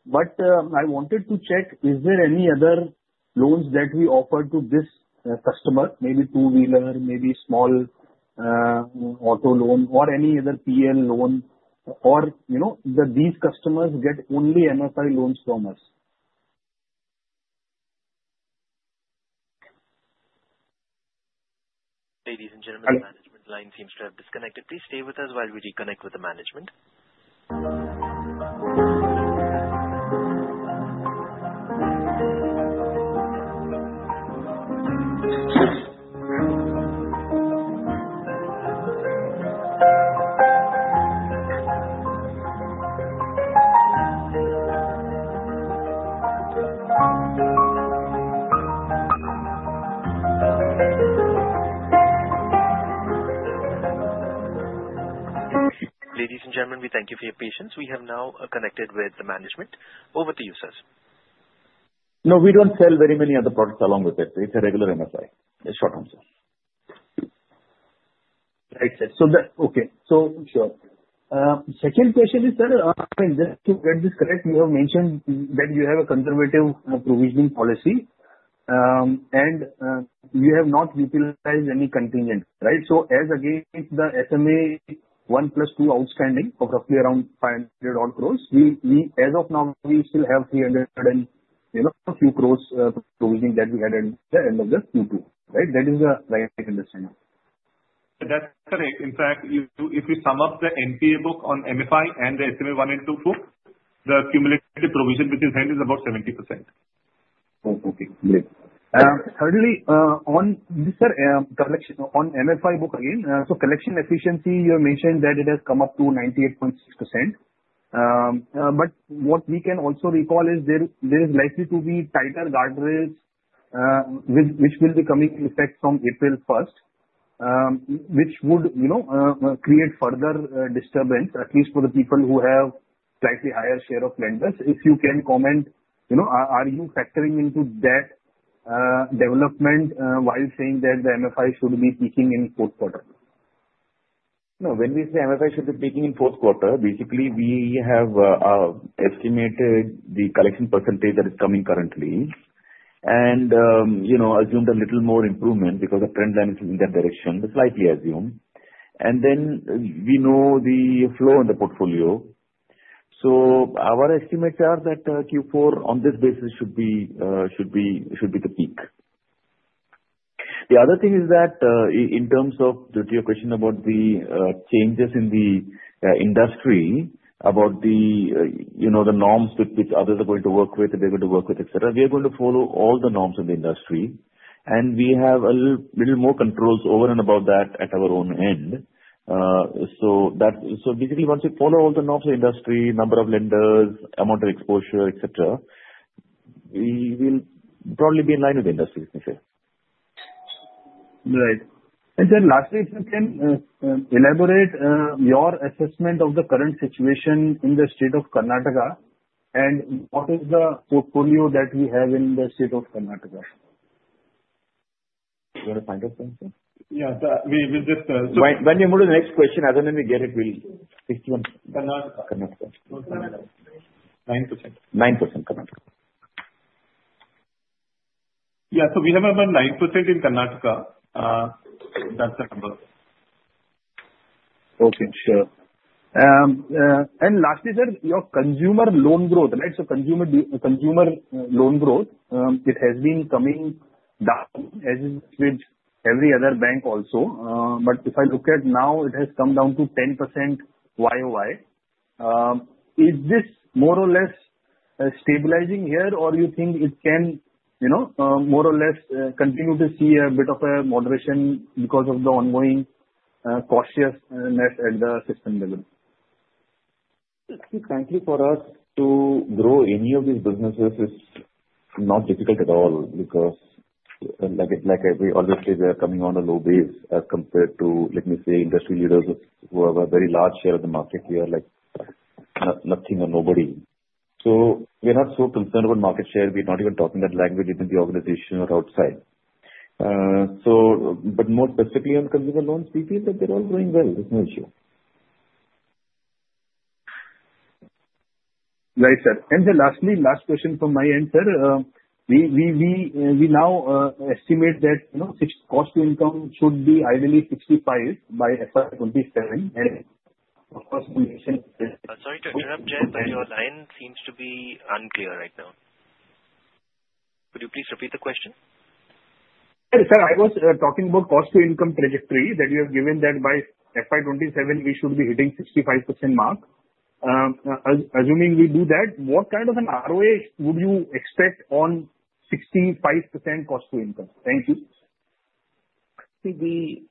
But I wanted to check, is there any other loans that we offer to this customer, maybe two-wheeler, maybe small auto loan, or any other PL loan, or these customers get only MFI loans from us? Ladies and gentlemen, the management line seems to have disconnected. Please stay with us while we reconnect with the management. Ladies and gentlemen, we thank you for your patience. We have now connected with the management. Over to you, sir. No, we don't sell very many other products along with it. It's a regular MFI. It's short-term, sir. Right, sir. Okay. So sure. Second question is, sir, just to get this correct, you have mentioned that you have a conservative provisioning policy, and you have not utilized any contingents, right? So as against the SMA1+2 outstanding of roughly around 500-odd crores, as of now, we still have 300-and-few crores provisioning that we had at the end of the Q2, right? That is the right understanding. That's correct. In fact, if you sum up the NPA book on MFI and the SMA I and SMA II book, the cumulative provision which is held is about 70%. Oh, okay. Great. Thirdly, on MFI book again, so collection efficiency, you mentioned that it has come up to 98.6%. But what we can also recall is there is likely to be tighter guardrails, which will be coming into effect from April 1st, which would create further disturbance, at least for the people who have slightly higher share of lenders. If you can comment, are you factoring into that development while saying that the MFI should be peaking in fourth quarter? No, when we say MFI should be peaking in fourth quarter, basically, we have estimated the collection percentage that is coming currently and assumed a little more improvement because the trend line is in that direction, slightly assumed. And then we know the flow in the portfolio. So our estimates are that Q4 on this basis should be the peak. The other thing is that in terms of your question about the changes in the industry, about the norms with which others are going to work with, they're going to work with, etc., we are going to follow all the norms of the industry. And we have a little more controls over and above that at our own end. So basically, once we follow all the norms of the industry, number of lenders, amount of exposure, etc., we will probably be in line with the industry, let me say. Right. And then lastly, if you can elaborate your assessment of the current situation in the state of Karnataka and what is the portfolio that we have in the state of Karnataka? You want to find out something? Yeah. When you move to the next question, as soon as we get it, we'll 61. Karnataka. Karnataka. Karnataka. 9%. 9% Karnataka. Yeah. So we have about 9% in Karnataka. That's the number. Okay. Sure. And lastly, sir, your consumer loan growth, right? So consumer loan growth, it has been coming down as is with every other bank also. But if I look at now, it has come down to 10% YoY. Is this more or less stabilizing here, or you think it can more or less continue to see a bit of a moderation because of the ongoing cautiousness at the system level? I think frankly, for us to grow any of these businesses is not difficult at all because, like I said, obviously, they are coming on a low base as compared to, let me say, industry leaders who have a very large share of the market here, like nothing or nobody. So we're not so concerned about market share. We're not even talking that language within the organization or outside. But more specifically on consumer loans, we feel that they're all growing well. There's no issue. Right, sir. And then lastly, last question from my end, sir. We now estimate that cost to income should be ideally 65 by FY27. And of course, we mentioned. Sorry to interrupt, Jai, but your line seems to be unclear right now. Could you please repeat the question? Sir, I was talking about cost to income trajectory that you have given that by FY27, we should be hitting 65% mark. Assuming we do that, what kind of an ROA would you expect on 65% cost to income? Thank you. I think we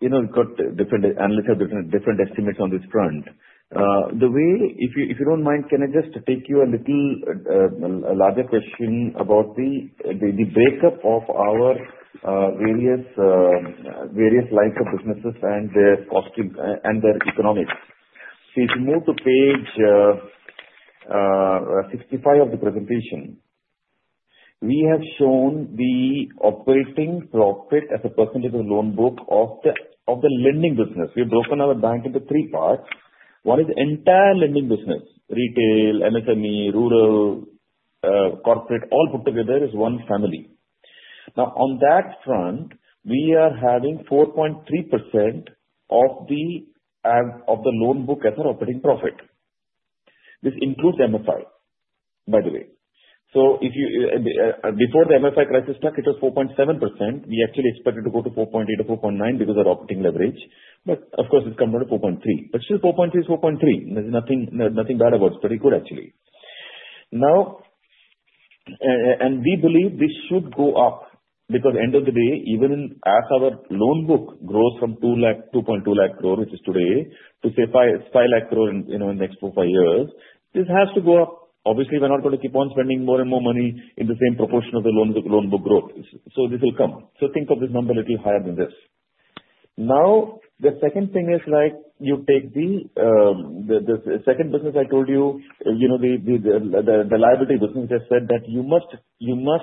got different analysts have different estimates on this front. The way, if you don't mind, can I just take you a little larger question about the breakup of our various lines of businesses and their economics. So if you move to page 65 of the presentation, we have shown the operating profit as a percentage of the loan book of the lending business. We have broken our bank into three parts. One is the entire lending business: retail, MSME, rural, corporate, all put together as one family. Now, on that front, we are having 4.3% of the loan book as our operating profit. This includes MFI, by the way. So before the MFI crisis struck, it was 4.7%. We actually expected to go to 4.8 or 4.9 because of our operating leverage. But of course, it's come down to 4.3%. But still, 4.3% is 4.3%. There's nothing bad about it. It's pretty good, actually. Now, and we believe this should go up because at the end of the day, even as our loan book grows from 2.2 lakh crore, which is today, to say 5 lakh crore in the next four or five years, this has to go up. Obviously, we're not going to keep on spending more and more money in the same proportion of the loan book growth. So this will come. So think of this number a little higher than this. Now, the second thing is like you take the second business I told you, the liability business, which I said that you must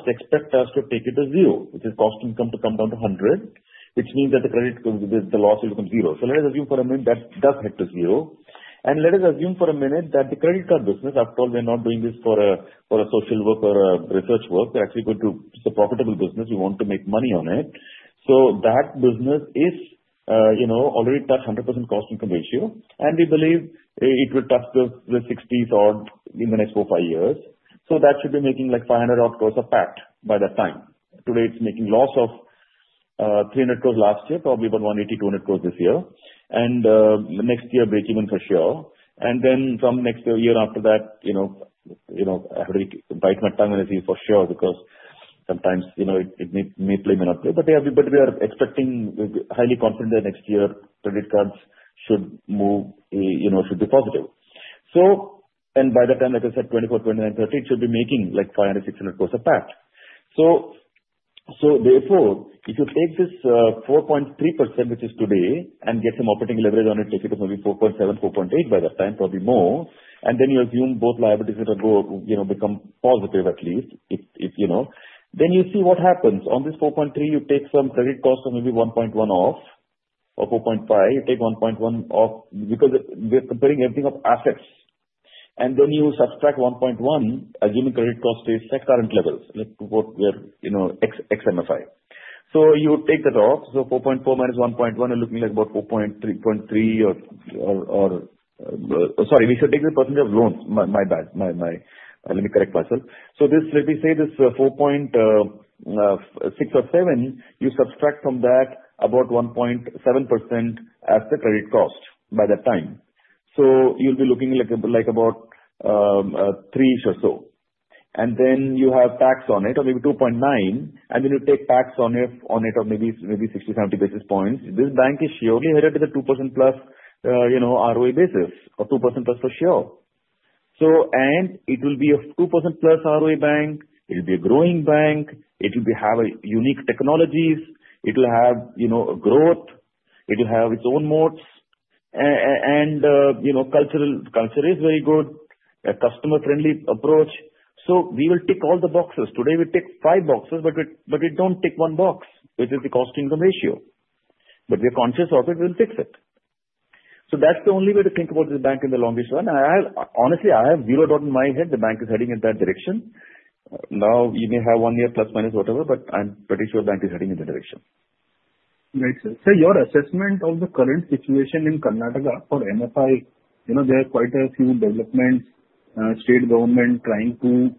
expect us to take it to zero, which means that the loss will become zero. So let us assume for a minute that does head to zero. And let us assume for a minute that the credit card business, after all, we're not doing this for a social work or a research work. We're actually going to do a profitable business. We want to make money on it. So that business is already touched 100% cost to income ratio. And we believe it will touch the 60s odd in the next four or five years. So that should be making like 500-odd crores a PAT by that time. Today, it's making a loss of 300 crores last year, probably about 180–200 crores this year. Next year, breakeven for sure. Then from next year after that, I have to bite my tongue and see for sure because sometimes it may play out, may not play out. But we are expecting, highly confident that next year, credit cards should be positive. And by that time, like I said, FY29, 30, it should be making like 500–600 crores a PAT. So therefore, if you take this 4.3%, which is today, and get some operating leverage on it, take it as maybe 4.7–4.8% by that time, probably more, and then you assume both liabilities are going to become positive at least, then you see what happens. On this 4.3, you take some credit cost of maybe 1.1% off or 4.5%. You take 1.1 off because we're comparing everything to assets, and then you subtract 1.1, assuming credit cost stays at current levels, like what we're seeing MFI. You take that off, so 4.4-1.1 are looking like about 4.3, or sorry, we should take the percentage of loans. My bad. Let me correct myself. Let me say this: 4.6–4.7. You subtract from that about 1.7% as the credit cost by that time, so you'll be looking like about 3-ish or so. Then you have tax on it of maybe 2.9, and you take tax on it of maybe 60–70 basis points. This bank is surely headed to the 2%+ ROA basis or 2%+ for sure. It will be a 2%+ ROA bank. It will be a growing bank. It will have unique technologies. It will have growth. It will have its own moats, and culture is very good, a customer-friendly approach. So we will tick all the boxes. Today, we tick five boxes, but we don't tick one box, which is the cost to income ratio. But we are conscious of it. We will fix it. So that's the only way to think about this bank in the longest run. Honestly, I have zero doubt in my head, the bank is heading in that direction. Now, you may have one year plus minus whatever, but I'm pretty sure the bank is heading in that direction. Right, sir. So, your assessment of the current situation in Karnataka for MFI? There are quite a few developments, state government trying to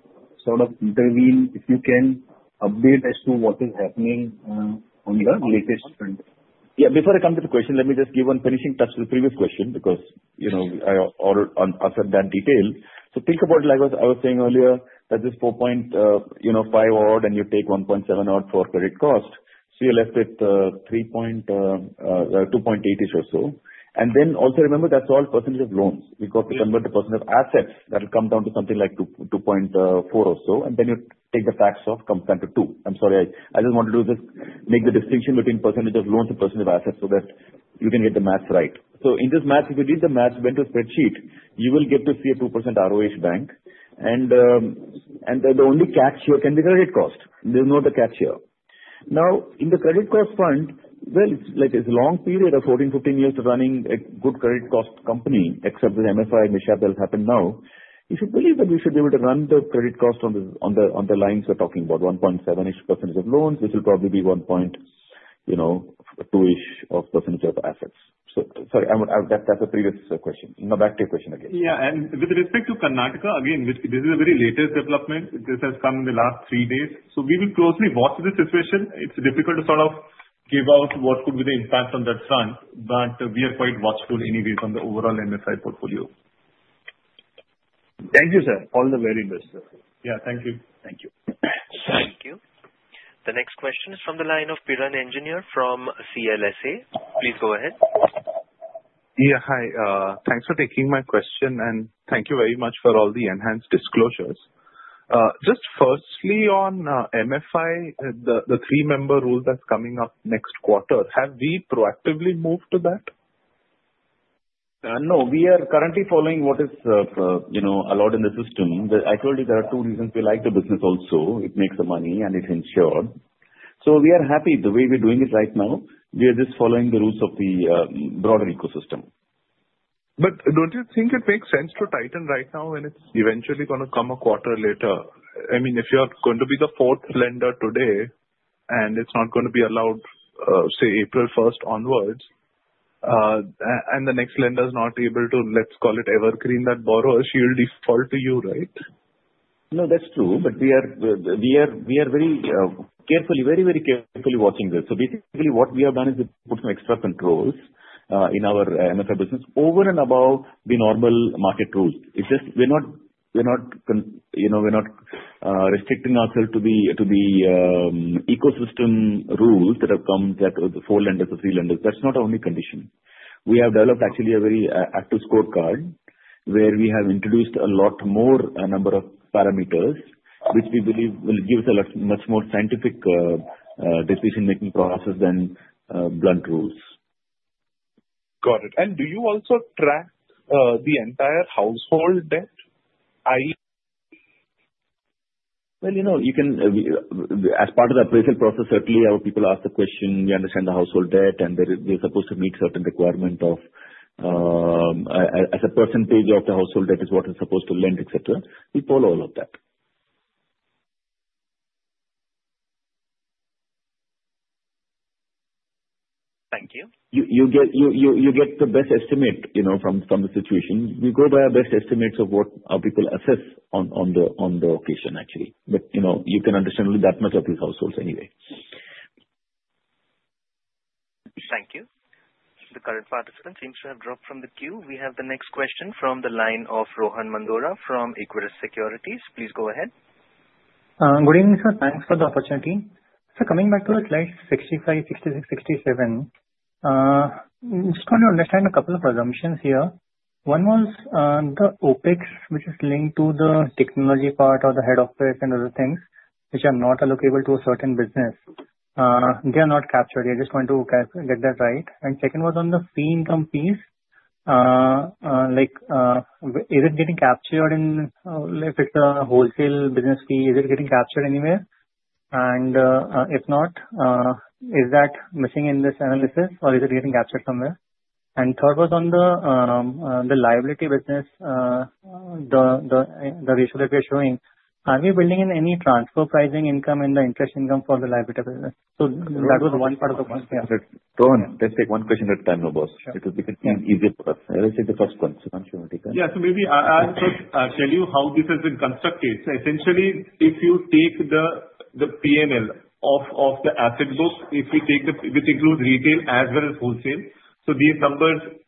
sort of intervene. If you can update as to what is happening on the latest front. Yeah. Before I come to the question, let me just give one finishing touch to the previous question because I already answered that detail. So think about it like I was saying earlier that this 4.5 odd and you take 1.7 odd for credit cost. So you're left with 2.8-ish or so. And then also remember that's all percentage of loans. We got to convert the percentage of assets. That'll come down to something like 2.4 or so. And then you take the tax off, comes down to 2. I'm sorry. I just want to make the distinction between percentage of loans and percentage of assets so that you can get the math right. So in this math, if you did the math, went to a spreadsheet, you will get to see a 2% ROE bank. And the only catch here can be credit cost. There's no other catch here. Now, in the credit cost front, well, it's a long period of 14, 15 years running a good credit cost company, except with MFI and MSME, that'll happen now. You should believe that you should be able to run the credit cost on the lines we're talking about, 1.7-ish% of loans, which will probably be 1.2-ish% of assets. So sorry, that's a previous question. Now, back to your question again. Yeah. And with respect to Karnataka, again, this is a very latest development. This has come in the last three days. So we will closely watch this situation. It's difficult to sort of give out what could be the impact on that front, but we are quite watchful anyway from the overall MFI portfolio. Thank you, sir. All the very best, sir. Yeah. Thank you. Thank you. Thank you. The next question is from the line of Piran Engineer from CLSA. Please go ahead. Yeah. Hi. Thanks for taking my question, and thank you very much for all the enhanced disclosures. Just firstly on MFI, the three-member rule that's coming up next quarter, have we proactively moved to that? No. We are currently following what is allowed in the system. I told you there are two reasons we like the business also. It makes the money, and it's insured. So we are happy the way we're doing it right now. We are just following the rules of the broader ecosystem. But don't you think it makes sense to tighten right now when it's eventually going to come a quarter later? I mean, if you're going to be the fourth lender today and it's not going to be allowed, say, April 1st onwards, and the next lender is not able to, let's call it, evergreen that borrowers, you'll default to you, right? No, that's true. But we are very carefully, very, very carefully watching this. So basically, what we have done is we put some extra controls in our MFI business over and above the normal market rules. It's just we're not restricting ourselves to the ecosystem rules that have come with the four lenders, the three lenders. That's not our only condition. We have developed actually a very active scorecard where we have introduced a lot more number of parameters, which we believe will give us a much more scientific decision-making process than blunt rules. Got it. And do you also track the entire household debt? Well, you know, as part of the appraisal process, certainly our people ask the question, "We understand the household debt, and we're supposed to meet certain requirement of as a percentage of the household debt is what we're supposed to lend," etc. We follow all of that. Thank you. You get the best estimate from the situation. We go by our best estimates of what our people assess on the occasion, actually. But you can understand only that much of these households anyway. Thank you. The current participant seems to have dropped from the queue. We have the next question from the line of Rohan Mandora from Equirus Securities. Please go ahead. Good evening, sir. Thanks for the opportunity. So coming back to the slide 65, 66, 67, I just want to understand a couple of assumptions here. One was the OpEx, which is linked to the technology part or the head office and other things, which are not allocable to a certain business. They are not captured. You're just trying to get that right. And second was on the fee income piece, like is it getting captured in if it's a wholesale business fee, is it getting captured anywhere? And if not, is that missing in this analysis, or is it getting captured somewhere? And third was on the liability business, the ratio that we are showing. Are we building in any transfer pricing income and the interest income for the liability business? So that was one part of the question. Rohan, let's take one question at a time, no boss. It will be easier for us. Let's take the first one. So don't you want to take that? Yeah. So maybe I'll tell you how this has been constructed. So essentially, if you take the P&L of the asset book, if it includes retail as well as wholesale, so these numbers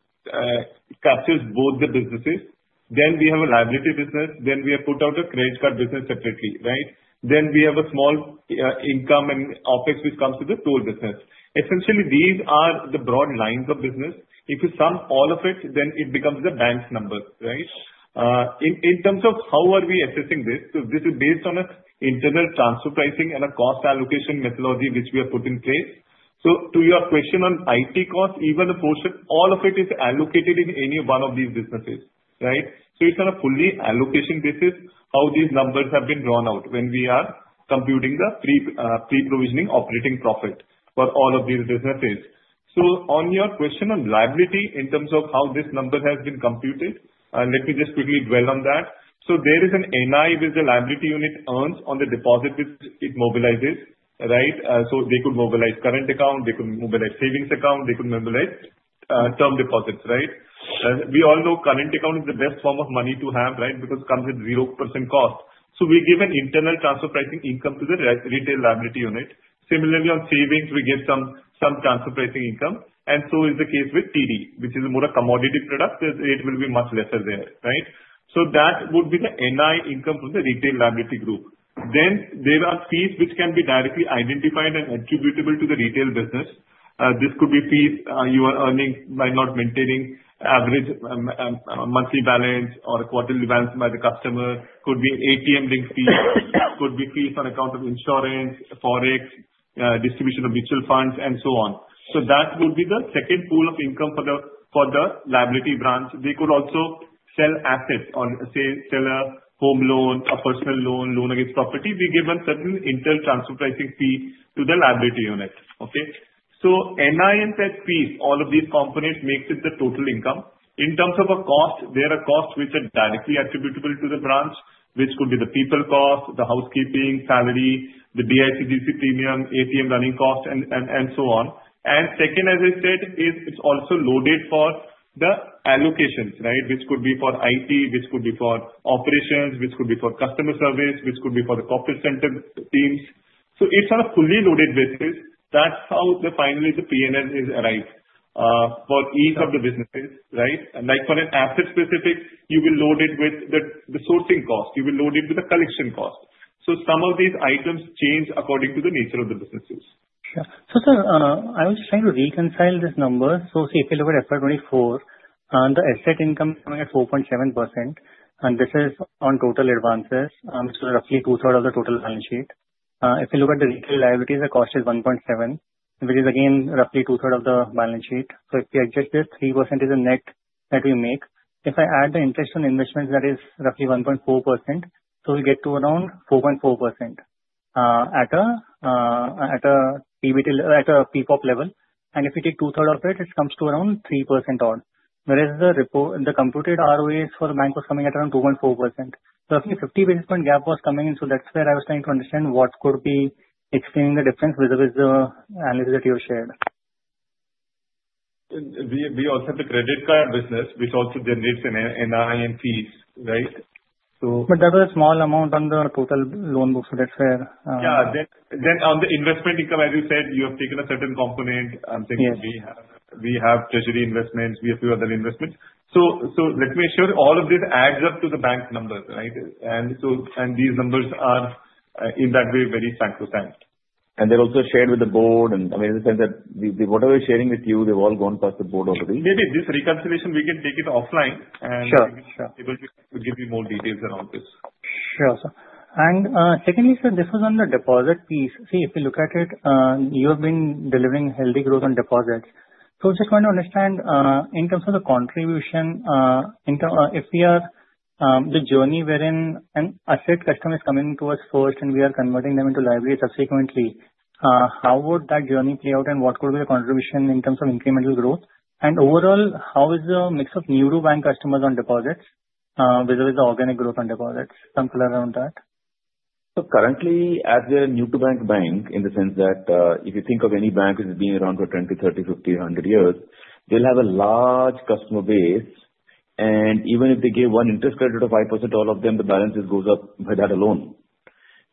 capture both the businesses, then we have a liability business, then we have put out a credit card business separately, right? Then we have a small income and OPEX, which comes to the toll business. Essentially, these are the broad lines of business. If you sum all of it, then it becomes the bank's numbers, right? In terms of how are we assessing this, so this is based on an internal transfer pricing and a cost allocation methodology, which we have put in place. So to your question on IT cost, even the portion, all of it is allocated in any one of these businesses, right? So it's on a fully allocated basis how these numbers have been drawn out when we are computing the pre-provision operating profit for all of these businesses. So on your question on liability in terms of how this number has been computed, let me just quickly dwell on that. So there is an NII, which is the liability unit earns on the deposit which it mobilizes, right? So they could mobilize current account. They could mobilize savings account. They could mobilize term deposits, right? We all know current account is the best form of money to have, right, because it comes with 0% cost. So we give an internal transfer pricing income to the retail liability unit. Similarly, on savings, we give some transfer pricing income. And so is the case with TD, which is more a commodity product. It will be much lesser there, right? So that would be the NI income from the retail liability group. Then there are fees which can be directly identified and attributable to the retail business. This could be fees you are earning by not maintaining average monthly balance or quarterly balance by the customer. Could be ATM link fees. Could be fees on account of insurance, Forex, distribution of mutual funds, and so on. So that would be the second pool of income for the liability branch. They could also sell assets or, say, sell a home loan, a personal loan, loan against property. We give them certain internal transfer pricing fee to the liability unit, okay? So, NI and said fees, all of these components make it the total income. In terms of a cost, there are costs which are directly attributable to the branch, which could be the people cost, the housekeeping, salary, the DICGC premium, ATM running cost, and so on, and second, as I said, it's also loaded for the allocations, right, which could be for IT, which could be for operations, which could be for customer service, which could be for the corporate center teams, so it's on a fully loaded basis. That's how finally the P&L is arrived for each of the businesses, right? Like for an asset-specific, you will load it with the sourcing cost. You will load it with the collection cost, so some of these items change according to the nature of the businesses. Sure. So sir, I was just trying to reconcile this number. So if you look at FR24, the asset income is coming at 4.7%, and this is on total advances, which is roughly two-thirds of the total balance sheet. If you look at the retail liabilities, the cost is 1.7%, which is again roughly two-thirds of the balance sheet. So if we adjust this, 3% is the net that we make. If I add the interest on investments, that is roughly 1.4%, so we get to around 4.4% at a PPOP level. And if you take two-thirds of it, it comes to around 3% odd. Whereas the computed ROAs for the bank was coming at around 2.4%. Roughly 50 basis points gap was coming in, so that's where I was trying to understand what could be explaining the difference vis-à-vis the analysis that you shared. We also have the credit card business, which also then needs NI and fees, right? But that was a small amount on the total loan book, so that's fair. Yeah. Then on the investment income, as you said, you have taken a certain component. I'm thinking we have treasury investments. We have a few other investments. So let me assure you all of this adds up to the bank's number, right? And these numbers are in that way very frank to frank. And they're also shared with the board. And I mean, in the sense that whatever we're sharing with you, they've all gone past the board already. Maybe this reconciliation, we can take it offline, and we'll be able to give you more details around this. Sure, sir. And secondly, sir, this was on the deposit piece. See, if you look at it, you have been delivering healthy growth on deposits. So I was just trying to understand in terms of the contribution, if we are in the journey wherein an asset customer is coming to us first, and we are converting them into liability subsequently, how would that journey play out, and what could be the contribution in terms of incremental growth? And overall, how is the mix of new-to-bank customers on deposits vis-à-vis the organic growth on deposits? Some color around that. So currently, as we are a new-to-bank bank, in the sense that if you think of any bank which has been around for 20, 30, 50, 100 years, they'll have a large customer base. And even if they give one interest credit of 5% to all of them, the balance just goes up by that alone.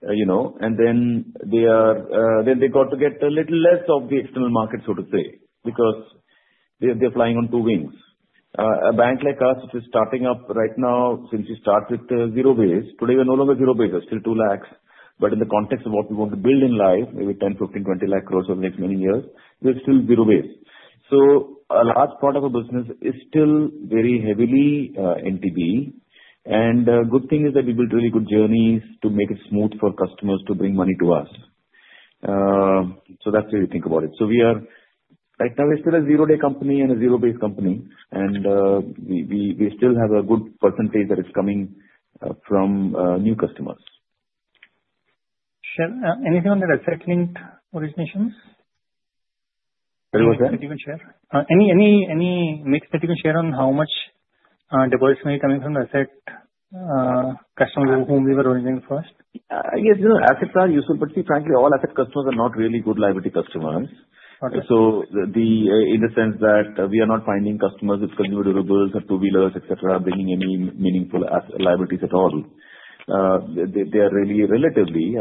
And then they got to get a little less of the external market, so to say, because they're flying on two wings. A bank like us, which is starting up right now, since we start with zero-base, today we're no longer zero-base. We're still 2 lakhs. But in the context of what we want to build in life, maybe 10, 15, 20 lakh crores over the next many years, we're still zero-base. So a large part of our business is still very heavily NTB. And the good thing is that we built really good journeys to make it smooth for customers to bring money to us. So that's the way we think about it. So right now, we're still a zero-day company and a zero-based company. And we still have a good percentage that is coming from new customers. Sure. Anything on the asset linked originations? What was that? Any mix that you can share on how much deposits may be coming from the asset customers whom we were originating first? Yes. Assets are useful, but frankly, all asset customers are not really good liability customers, so in the sense that we are not finding customers with consumer durables or two-wheelers, etc., bringing any meaningful liabilities at all. They are really relatively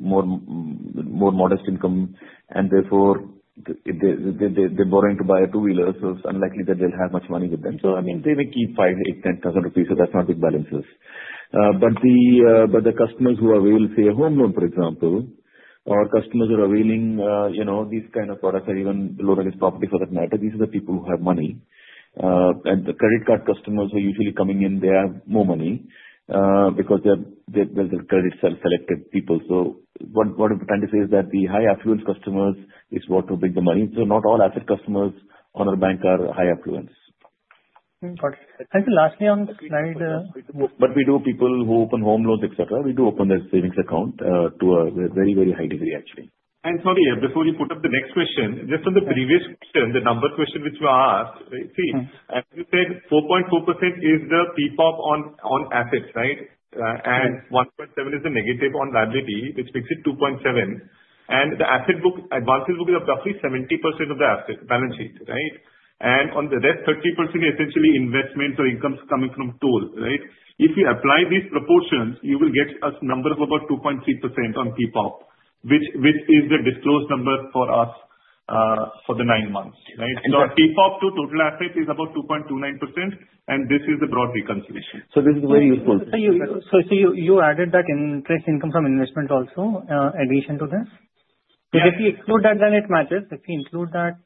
more modest income, and therefore, they're borrowing to buy a two-wheeler, so it's unlikely that they'll have much money with them, so I mean, they may keep 5,000, 8,000, 10,000 rupees, so that's not big balances, but the customers who are available, say, a home loan, for example, or customers who are availing these kinds of products or even low-value property for that matter, these are the people who have money, and the credit card customers are usually coming in, they have more money because they're the credit selected people, so what I'm trying to say is that the high-affluence customers is what will bring the money. Not all asset customers of our bank are affluent. Okay. And lastly, on the slide. But we do have people who open home loans, etc. We do open their savings account to a very, very high degree, actually. Sorry, before you put up the next question, just on the previous question, the number question which you asked, see, as you said, 4.4% is the PPOP on assets, right? And 1.7 is the negative on liability, which makes it 2.7. And the asset book, advances book is roughly 70% of the asset balance sheet, right? And on the rest, 30% is essentially investments or incomes coming from toll, right? If you apply these proportions, you will get a number of about 2.3% on PPOP, which is the disclosed number for us for the nine months, right? So PPOP to total asset is about 2.29%, and this is the broad reconciliation. So this is very useful. So you added that interest income from investment also in addition to this? Because if you include that, then it matches. If you include that,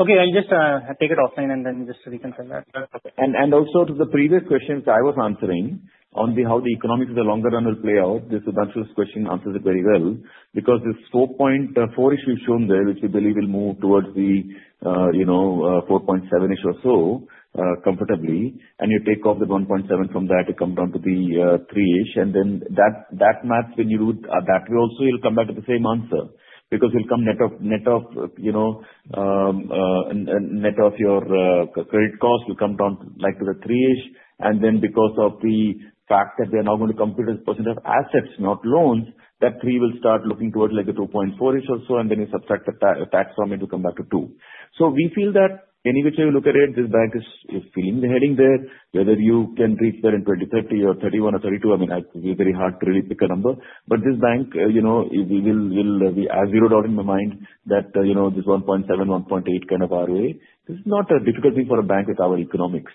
okay, I'll just take it offline and then just reconcile that. That's okay. And also to the previous questions I was answering on how the economics of the longer run will play out, this advanced question answers it very well because this 4.4-ish we've shown there, which we believe will move towards the 4.7-ish or so comfortably, and you take off the 1.7 from that, it comes down to the 3-ish, and then that math when you do that, we also will come back to the same answer because we'll come net of your credit cost, we'll come down to the 3-ish, and then because of the fact that they're now going to compute as % of assets, not loans, that 3 will start looking towards like a 2.4-ish or so, and then you subtract the tax from it, you come back to 2. So we feel that any which way you look at it, this bank is heading there. Whether you can reach there in 2030 or 2031 or 2032, I mean, it will be very hard to really pick a number. But this bank, we will have zero doubt in my mind that this 1.7, 1.8 kind of ROA, this is not a difficult thing for a bank with our economics.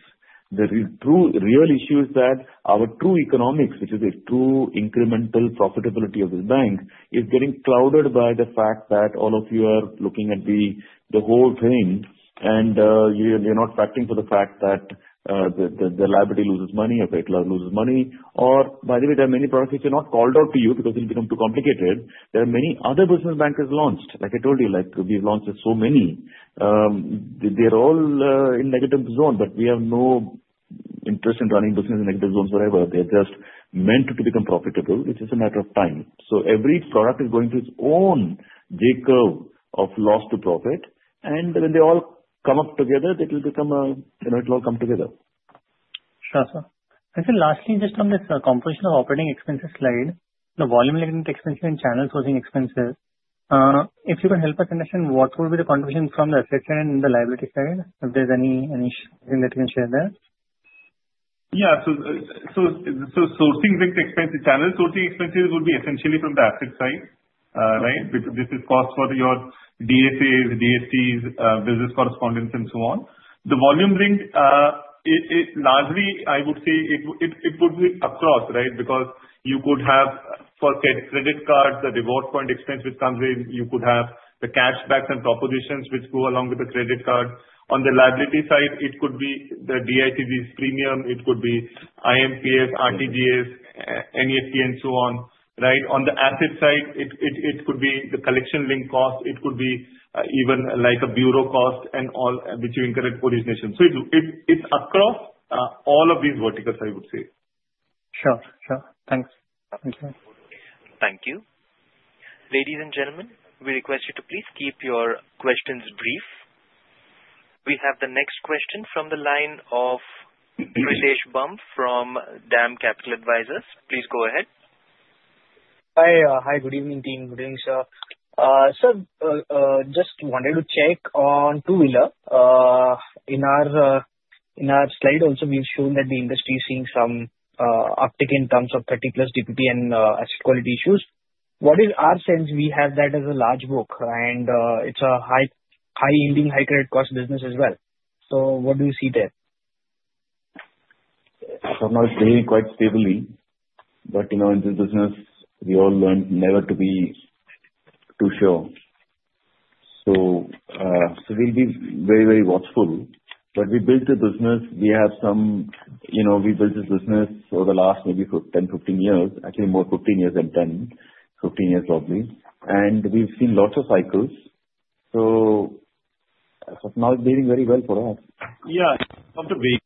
The real issue is that our true economics, which is a true incremental profitability of this bank, is getting clouded by the fact that all of you are looking at the whole thing, and you're not factoring for the fact that the legacy loses money, or capital loses money, or by the way, there are many products which are not called out to you because it'll become too complicated. There are many other business banking that launched. Like I told you, we've launched so many. They're all in negative zone, but we have no interest in running business in negative zones wherever. They're just meant to become profitable, which is a matter of time. So every product is going to its own J-curve of loss to profit, and when they all come up together, it'll become it'll all come together. Sure, sir. And then lastly, just on this compilation of operating expenses slide, the volume-related expenses and channel sourcing expenses, if you can help us understand what will be the contribution from the asset side and the liability side, if there's anything that you can share there? Yeah. So sourcing linked expenses, channel sourcing expenses would be essentially from the asset side, right? This is cost for your DSAs, DSTs, business correspondence, and so on. The volume linked, largely, I would say it would be across, right? Because you could have for credit cards, the reward point expense which comes in, you could have the cashbacks and propositions which go along with the credit card. On the liability side, it could be the DICGC's premium. It could be IMPS, RTGS, NEFT, and so on, right? On the asset side, it could be the collection linked cost. It could be even like a bureau cost and all between credit origination. So it's across all of these verticals, I would say. Sure. Sure. Thanks. Thank you. Thank you. Ladies and gentlemen, we request you to please keep your questions brief. We have the next question from the line of Ritesh Bheda from DAM Capital Advisors. Please go ahead. Hi. Hi. Good evening, team. Good evening, sir. Sir, just wanted to check on two-wheeler. In our slide also, we've shown that the industry is seeing some uptick in terms of 30+ DPD and asset quality issues. What is our sense? We have that as a large book, and it's a high-yielding, high-credit cost business as well. So what do you see there? I'm not playing quite stably, but in this business, we all learned never to be too sure, so we'll be very, very watchful. We built a business. We built this business over the last maybe 10, 15 years, actually more 15 years than 10, 15 years probably. We've seen lots of cycles, so it's not behaving very well for us. Yeah. Come to me.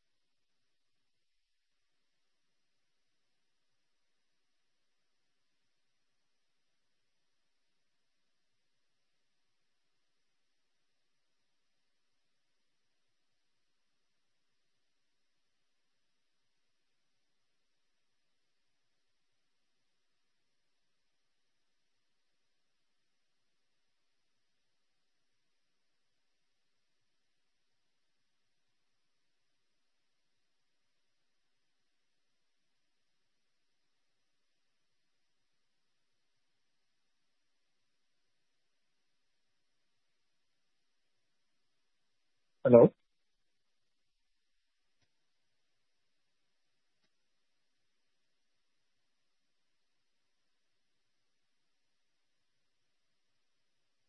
Hello?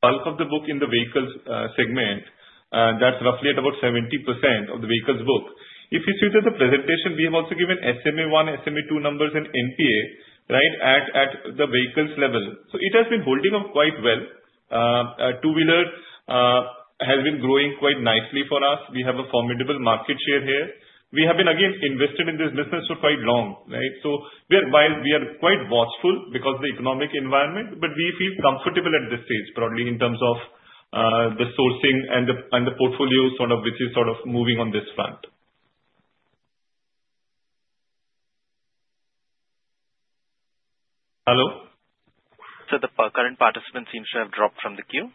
Bulk of the book in the vehicles segment, that's roughly at about 70% of the vehicles book. If you see the presentation, we have also given SMA1, SMA2 numbers, and NPA, right, at the vehicles level. So it has been holding up quite well. Two-wheeler has been growing quite nicely for us. We have a formidable market share here. We have been, again, invested in this business for quite long, right? So while we are quite watchful because of the economic environment, but we feel comfortable at this stage, probably in terms of the sourcing and the portfolio sort of which is sort of moving on this front. Hello? So the current participant seems to have dropped from the queue.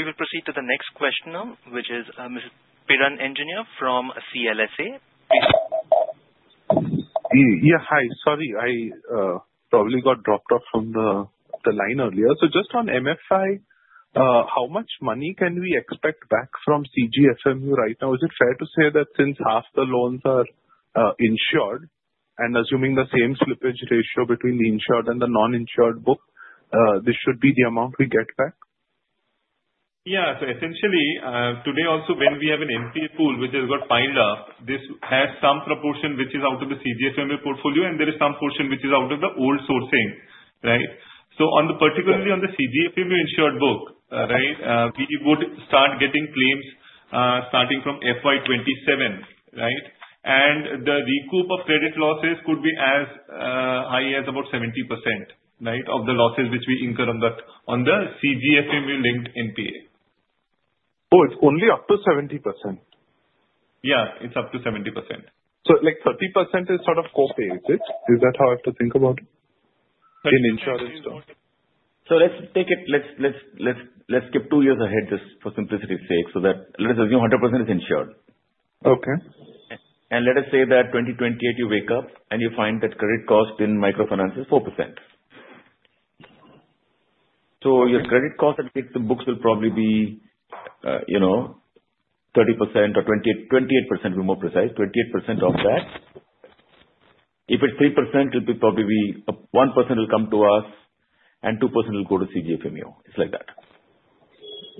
We will proceed to the next questioner, which is Mr. Piran Engineer from CLSA. Yeah. Hi. Sorry. I probably got dropped off from the line earlier. So just on MFI, how much money can we expect back from CGFMU right now? Is it fair to say that since half the loans are insured, and assuming the same slippage ratio between the insured and the non-insured book, this should be the amount we get back? Yeah. So essentially, today also when we have an NPA pool which has got piled up, this has some proportion which is out of the CGFMU portfolio, and there is some portion which is out of the old sourcing, right? So particularly on the CGFMU insured book, right, we would start getting claims starting from FY27, right? And the recoup of credit losses could be as high as about 70%, right, of the losses which we incur on the CGFMU linked NPA. Oh, it's only up to 70%? Yeah. It's up to 70%. So like 30% is sort of co-pay, is it? Is that how I have to think about it? In insurance terms. So let's take it, let's skip two years ahead just for simplicity's sake so that let us assume 100% is insured. Okay. Let us say that 2028 you wake up and you find that credit cost in microfinance is 4%. So your credit cost at least the books will probably be 30% or 28%, we're more precise, 28% of that. If it's 3%, it'll probably be 1% will come to us, and 2% will go to CGFMU. It's like that.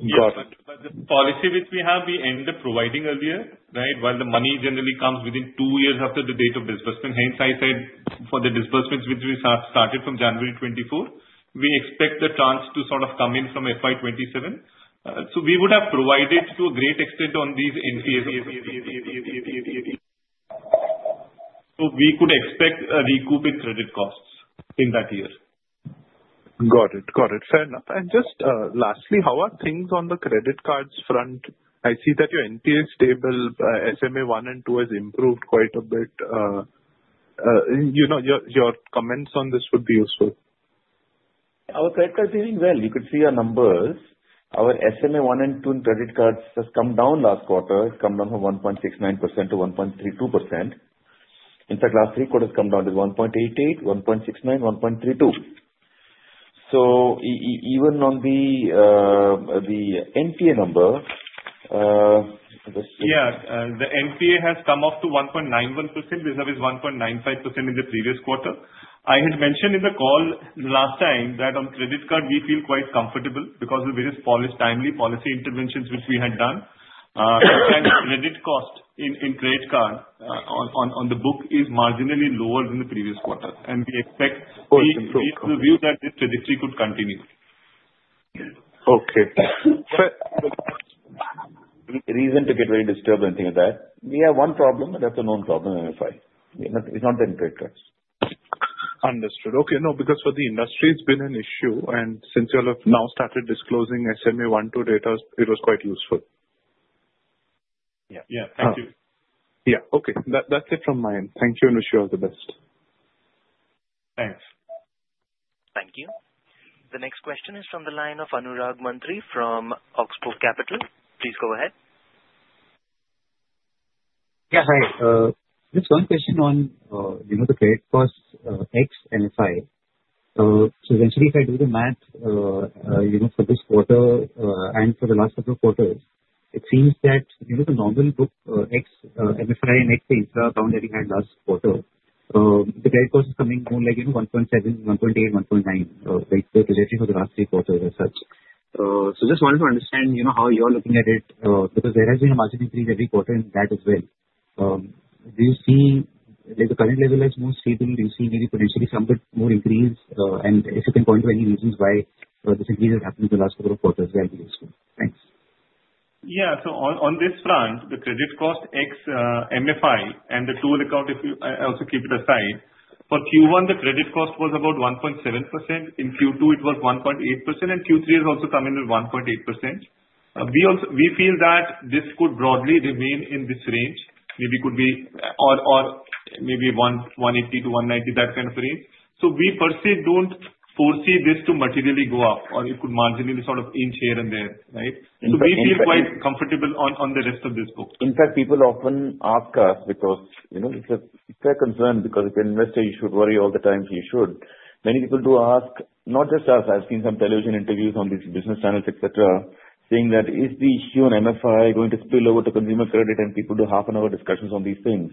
Yes. But the policy which we have, we intend providing earlier, right, while the money generally comes within two years after the date of disbursement. Hence, I said for the disbursements which we started from January 2024, we expect the cash to sort of come in from FY27. So we would have provided to a great extent on these NPAs. So we could expect a recoup in credit costs in that year. Got it. Got it. Fair enough. And just lastly, how are things on the credit cards front? I see that your NPA stable, SMA1 and 2 has improved quite a bit. Your comments on this would be useful. Our credit cards are doing well. You could see our numbers. Our SMA1 and 2 credit cards has come down last quarter. It's come down from 1.69% to 1.32%. In fact, last three quarters come down to 1.88, 1.69, 1.32. So even on the NPA number. Yeah. The NPA has come up to 1.91% vis-à-vis 1.95% in the previous quarter. I had mentioned in the call last time that on credit card, we feel quite comfortable because of various timely policy interventions which we had done. Sometimes credit cost in credit card on the book is marginally lower than the previous quarter. And we expect we have the view that this trajectory could continue. Okay. Reason to get very disturbed when things are bad. We have one problem, and that's a known problem in MFI. It's not in credit cards. Understood. Okay. No, because for the industry, it's been an issue. And since you all have now started disclosing SMA 1, 2 data, it was quite useful. Yeah. Yeah. Thank you. Yeah. Okay. That's it from my end. Thank you, and wish you all the best. Thanks. Thank you. The next question is from the line of Anurag Mantri from White Oak Capital Management. Please go ahead. Yes. Hi. Just one question on the credit cost ex and FI. So essentially, if I do the math for this quarter and for the last couple of quarters, it seems that the normal book ex MFI and ex infra that we had last quarter. The credit cost is coming more like 1.7%, 1.8%, 1.9%, right? The trajectory for the last three quarters as such. So just wanted to understand how you're looking at it because there has been a margin increase every quarter in that as well. Do you see the current level as more stable? Do you see maybe potentially some bit more increase? And if you can point to any reasons why this increase is happening in the last couple of quarters, that would be useful. Thanks. Yeah. So on this front, the credit cost ex-MFI and the two-wheeler account, if you also keep it aside, for Q1, the credit cost was about 1.7%. In Q2, it was 1.8%, and Q3 has also come in at 1.8%. We feel that this could broadly remain in this range. Maybe it could be maybe 180–190, that kind of range. So we per se don't foresee this to materially go up, or it could marginally sort of inch here and there, right? So we feel quite comfortable on the rest of this book. In fact, people often ask us because it's a concern because if you're an investor, you should worry all the time, so you should. Many people do ask, not just us. I've seen some television interviews on these business channels, etc., saying that, "Is the issue on MFI going to spill over to consumer credit?" and people do half an hour discussions on these things.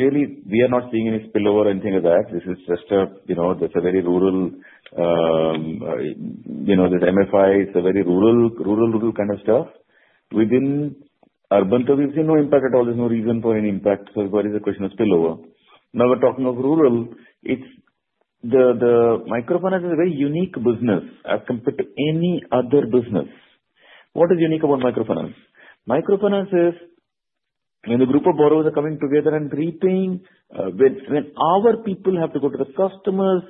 Really, we are not seeing any spillover or anything like that. This is just a very rural. This MFI is a very rural kind of stuff. Within urban cities, there's no impact at all. There's no reason for any impact. So what is the question of spillover? Now, we're talking of rural. The microfinance is a very unique business as compared to any other business. What is unique about microfinance? Microfinance is when the group of borrowers are coming together and repaying, when our people have to go to the customers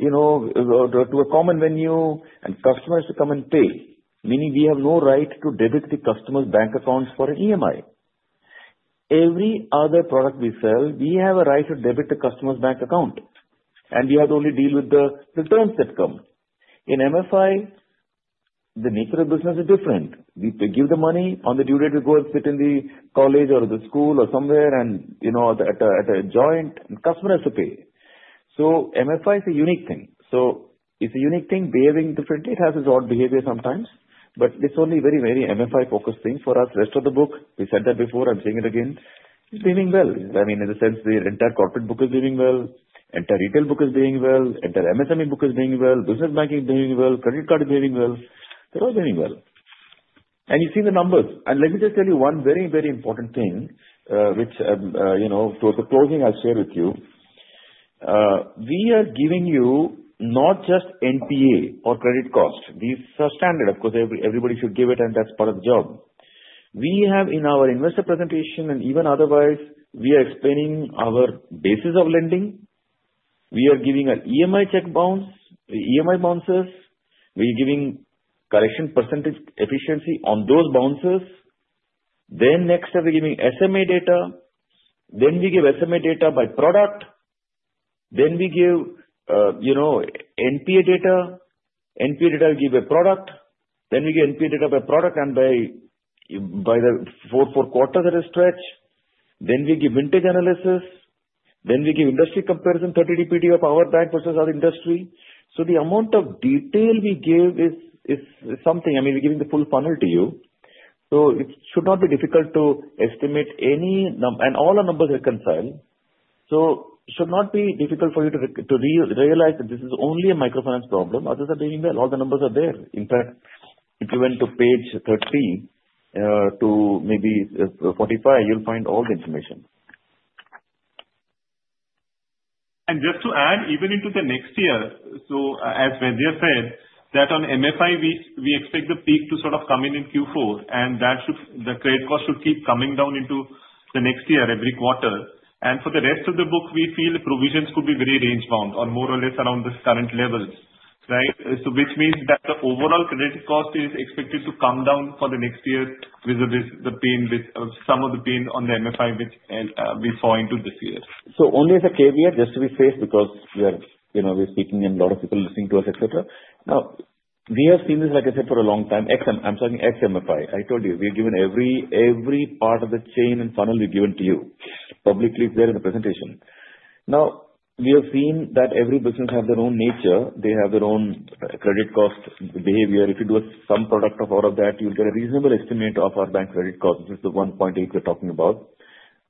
or to a common venue and customers to come and pay, meaning we have no right to debit the customer's bank accounts for an EMI. Every other product we sell, we have a right to debit the customer's bank account, and we have to only deal with the returns that come. In MFI, the nature of business is different. We give the money on the due date to go and sit in the college or the school or somewhere and at a joint, and customer has to pay. So MFI is a unique thing. It's a unique thing behaving differently. It has its own behavior sometimes. It's only very, very MFI-focused things for us. Rest of the book, we said that before. I'm saying it again. It's behaving well. I mean, in a sense, the entire corporate book is behaving well. Our retail book is behaving well. Our MSME book is behaving well. Business banking is behaving well. Credit card is behaving well. They're all behaving well. And you've seen the numbers. And let me just tell you one very, very important thing, which towards the closing, I'll share with you. We are giving you not just NPA or credit cost. These are standard. Of course, everybody should give it, and that's part of the job. We have, in our investor presentation and even otherwise, we are explaining our basis of lending. We are giving an EMI check bounce, EMI bounces. We are giving collection percentage efficiency on those bounces. Then next step, we're giving SMA data. Then we give SMA data by product. Then we give NPA data. NPA data, we give by product. Then we give NPA data by product and by the four quarters that are stretched. Then we give vintage analysis. Then we give industry comparison, 30 DPD of our bank versus our industry. So the amount of detail we give is something. I mean, we're giving the full funnel to you. So it should not be difficult to estimate any number. And all our numbers reconcile. So it should not be difficult for you to realize that this is only a microfinance problem. Others are behaving well. All the numbers are there. In fact, if you went to page 13 to maybe 45, you'll find all the information. And just to add, even into the next year, so as Vedya said, that on MFI, we expect the peak to sort of come in in Q4. And the credit cost should keep coming down into the next year every quarter. And for the rest of the book, we feel provisions could be very range-bound or more or less around this current levels, right? So which means that the overall credit cost is expected to come down for the next year with some of the pain on the MFI which we saw into this year. Only as a caveat, just to be safe, because we're speaking and a lot of people listening to us, etc. Now, we have seen this, like I said, for a long time. I'm talking ex-MFI. I told you, we have given every part of the chain and funnel we've given to you. Publicly there in the presentation. Now, we have seen that every business has their own nature. They have their own credit cost behavior. If you do some product of all of that, you'll get a reasonable estimate of our bank credit cost. This is the 1.8% we're talking about.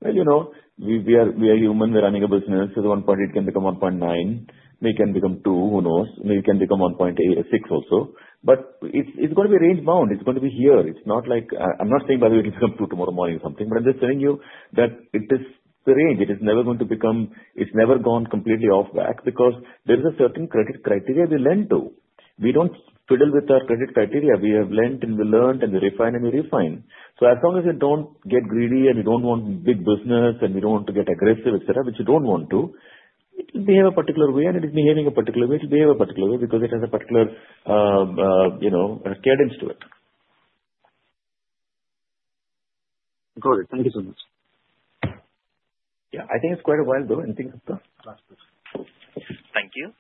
Well, we are human. We're running a business. So the 1.8% can become 1.9%. Maybe it can become 2%. Who knows? Maybe it can become 1.6% also. But it's going to be range-bound. It's going to be here. It's not like I'm not saying, by the way, it'll become two tomorrow morning or something. But I'm just telling you that it is the range. It is never going to become; it's never gone completely off track because there is a certain credit criteria we lend to. We don't fiddle with our credit criteria. We have lent and we learned and we refine and we refine. So as long as you don't get greedy and you don't want big business and you don't want to get aggressive, etc., which you don't want to, it'll behave a particular way, and it is behaving a particular way. It'll behave a particular way because it has a particular cadence to it. Got it. Thank you so much. Yeah. I think it's quite a while though. Anything else? Thank you.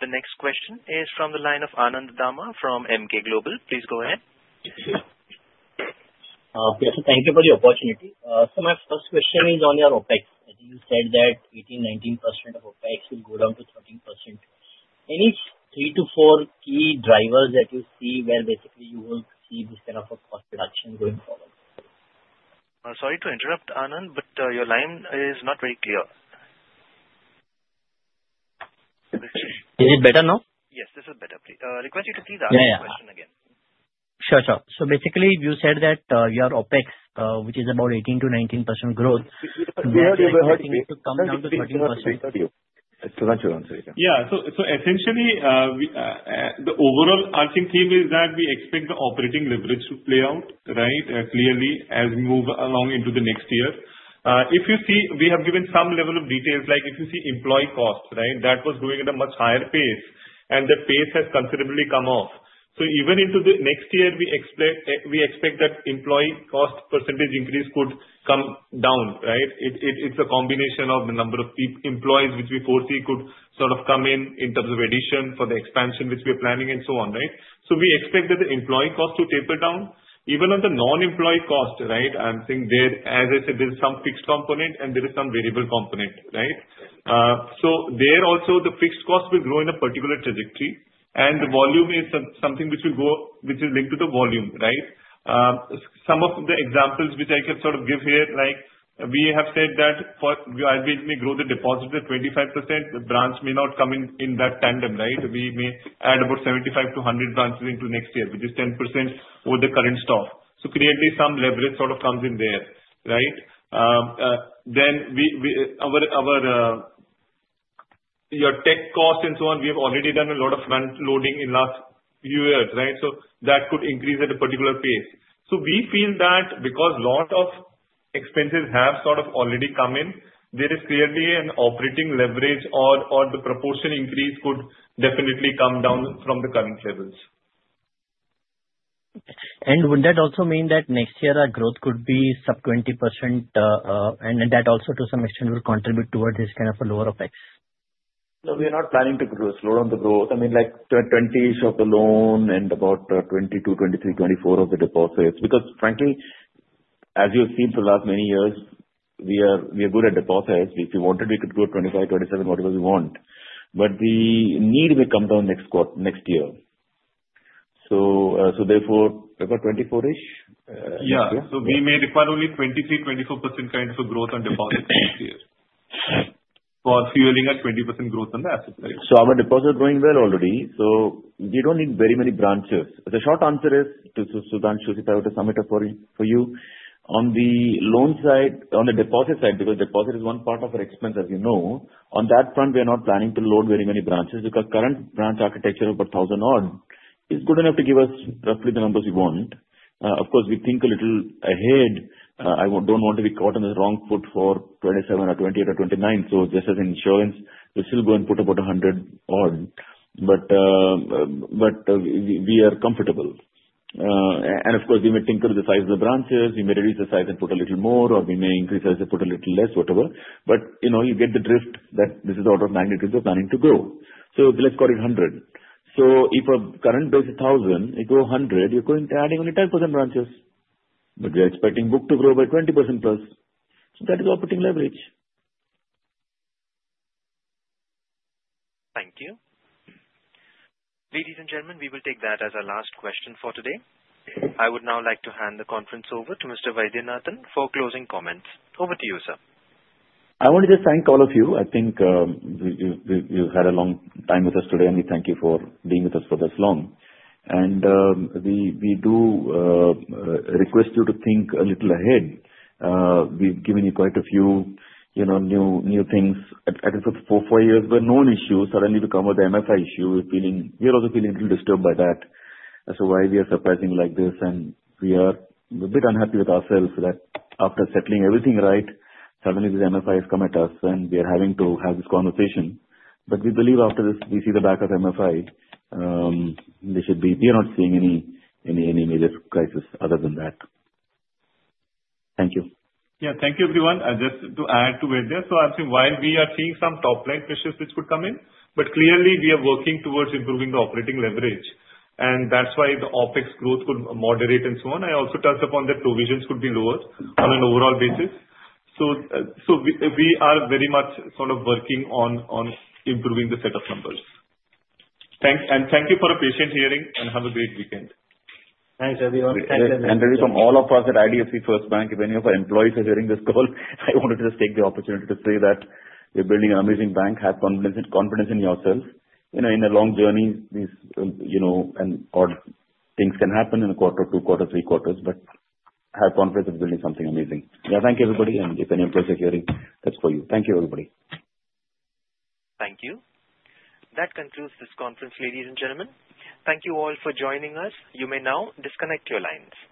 The next question is from the line of Anand Dama from Emkay Global Financial Services. Please go ahead. Yes. Thank you for the opportunity. So my first question is on your OPEX. You said that 18%–19% of OPEX will go down to 13%. Any three to four key drivers that you see where basically you will see this kind of a cost reduction going forward? Sorry to interrupt, Anand, but your line is not very clear. Is it better now? Yes. This is better. Request you to please ask the question again. Sure. Sure. So basically, you said that your OpEx, which is about 18%–19% growth, is expected to come down to 13%. It's not your answer. Yeah. Yeah. So essentially, the overall overarching theme is that we expect the operating leverage to play out, right, clearly as we move along into the next year. If you see, we have given some level of details, like if you see employee costs, right, that was growing at a much higher pace, and the pace has considerably come off. So even into the next year, we expect that employee cost percentage increase could come down, right? It's a combination of the number of employees which we foresee could sort of come in in terms of addition for the expansion which we are planning and so on, right? So we expect that the employee cost to taper down. Even on the non-employee cost, right, I'm saying there, as I said, there is some fixed component, and there is some variable component, right? So there also, the fixed cost will grow in a particular trajectory. And the volume is something which is linked to the volume, right? Some of the examples which I can sort of give here, like we have said that I may grow the deposit to 25%. The branch may not come in that tandem, right? We may add about 75–100 branches into next year, which is 10% over the current stock. So clearly, some leverage sort of comes in there, right? Then your tech cost and so on, we have already done a lot of front-loading in last few years, right? So that could increase at a particular pace. So we feel that because a lot of expenses have sort of already come in, there is clearly an operating leverage or the proportion increase could definitely come down from the current levels. And would that also mean that next year, our growth could be sub 20%? And that also, to some extent, will contribute towards this kind of a lower OpEx? No, we are not planning to slow down the growth. I mean, like 20% of the loan and about 22, 23, 24 of the deposits. Because frankly, as you've seen for the last many years, we are good at deposits. If we wanted, we could grow 25, 27, whatever we want. But the need may come down next year. So therefore, about 24-ish? Yeah. So we may require only 23%-24% kind of a growth on deposits next year for fueling a 20% growth on the asset side. Our deposit is growing well already. We don't need very many branches. The short answer is, to Sudhanshu, should we prioritize some of it for you? On the loan side, on the deposit side, because deposit is one part of our expense, as you know, on that front, we are not planning to add very many branches because current branch architecture of about 1,000-odd is good enough to give us roughly the numbers we want. Of course, we think a little ahead. I don't want to be caught on the wrong foot for 2027 or 2028 or 2029. Just as insurance, we'll still go and put about 100-odd. But we are comfortable. And of course, we may tinker with the size of the branches. We may reduce the size and put a little more, or we may increase the size and put a little less, whatever. But you get the drift that this is out of magnitude we're planning to grow. So let's call it 100. So if our current base is 1,000, it will go 100. You're going to add only 10% branches. But we are expecting book to grow by 20%+. So that is operating leverage. Thank you. Ladies and gentlemen, we will take that as our last question for today. I would now like to hand the conference over to Mr. Vaidyanathan for closing comments. Over to you, sir. I wanted to thank all of you. I think you've had a long time with us today, and we thank you for being with us for this long, and we do request you to think a little ahead. We've given you quite a few new things. I think for four years, there were no issues. Suddenly, we come with the MFI issue. We're feeling we are also feeling a little disturbed by that, so why we are surprising like this, and we are a bit unhappy with ourselves that after settling everything right, suddenly this MFI has come at us, and we are having to have this conversation, but we believe after this, we see the back of MFI. We are not seeing any major crisis other than that. Thank you. Yeah. Thank you, everyone. Just to add to Vaidya, so I'm saying while we are seeing some top-line pressures which could come in, but clearly, we are working towards improving the operating leverage. And that's why the OpEx growth could moderate and so on. I also touched upon that provisions could be lowered on an overall basis. So we are very much sort of working on improving the set of numbers. And thank you for a patient hearing, and have a great weekend. Thanks, everyone. Thank you. And really, from all of us at IDFC FIRST Bank, if any of our employees are hearing this call, I wanted to just take the opportunity to say that you're building an amazing bank. Have confidence in yourself. In a long journey, things can happen in a quarter or two, quarter or three, quarters, but have confidence that we're building something amazing. Yeah. Thank you, everybody. And if any employees are hearing, that's for you. Thank you, everybody. Thank you. That concludes this conference, ladies and gentlemen. Thank you all for joining us. You may now disconnect your lines.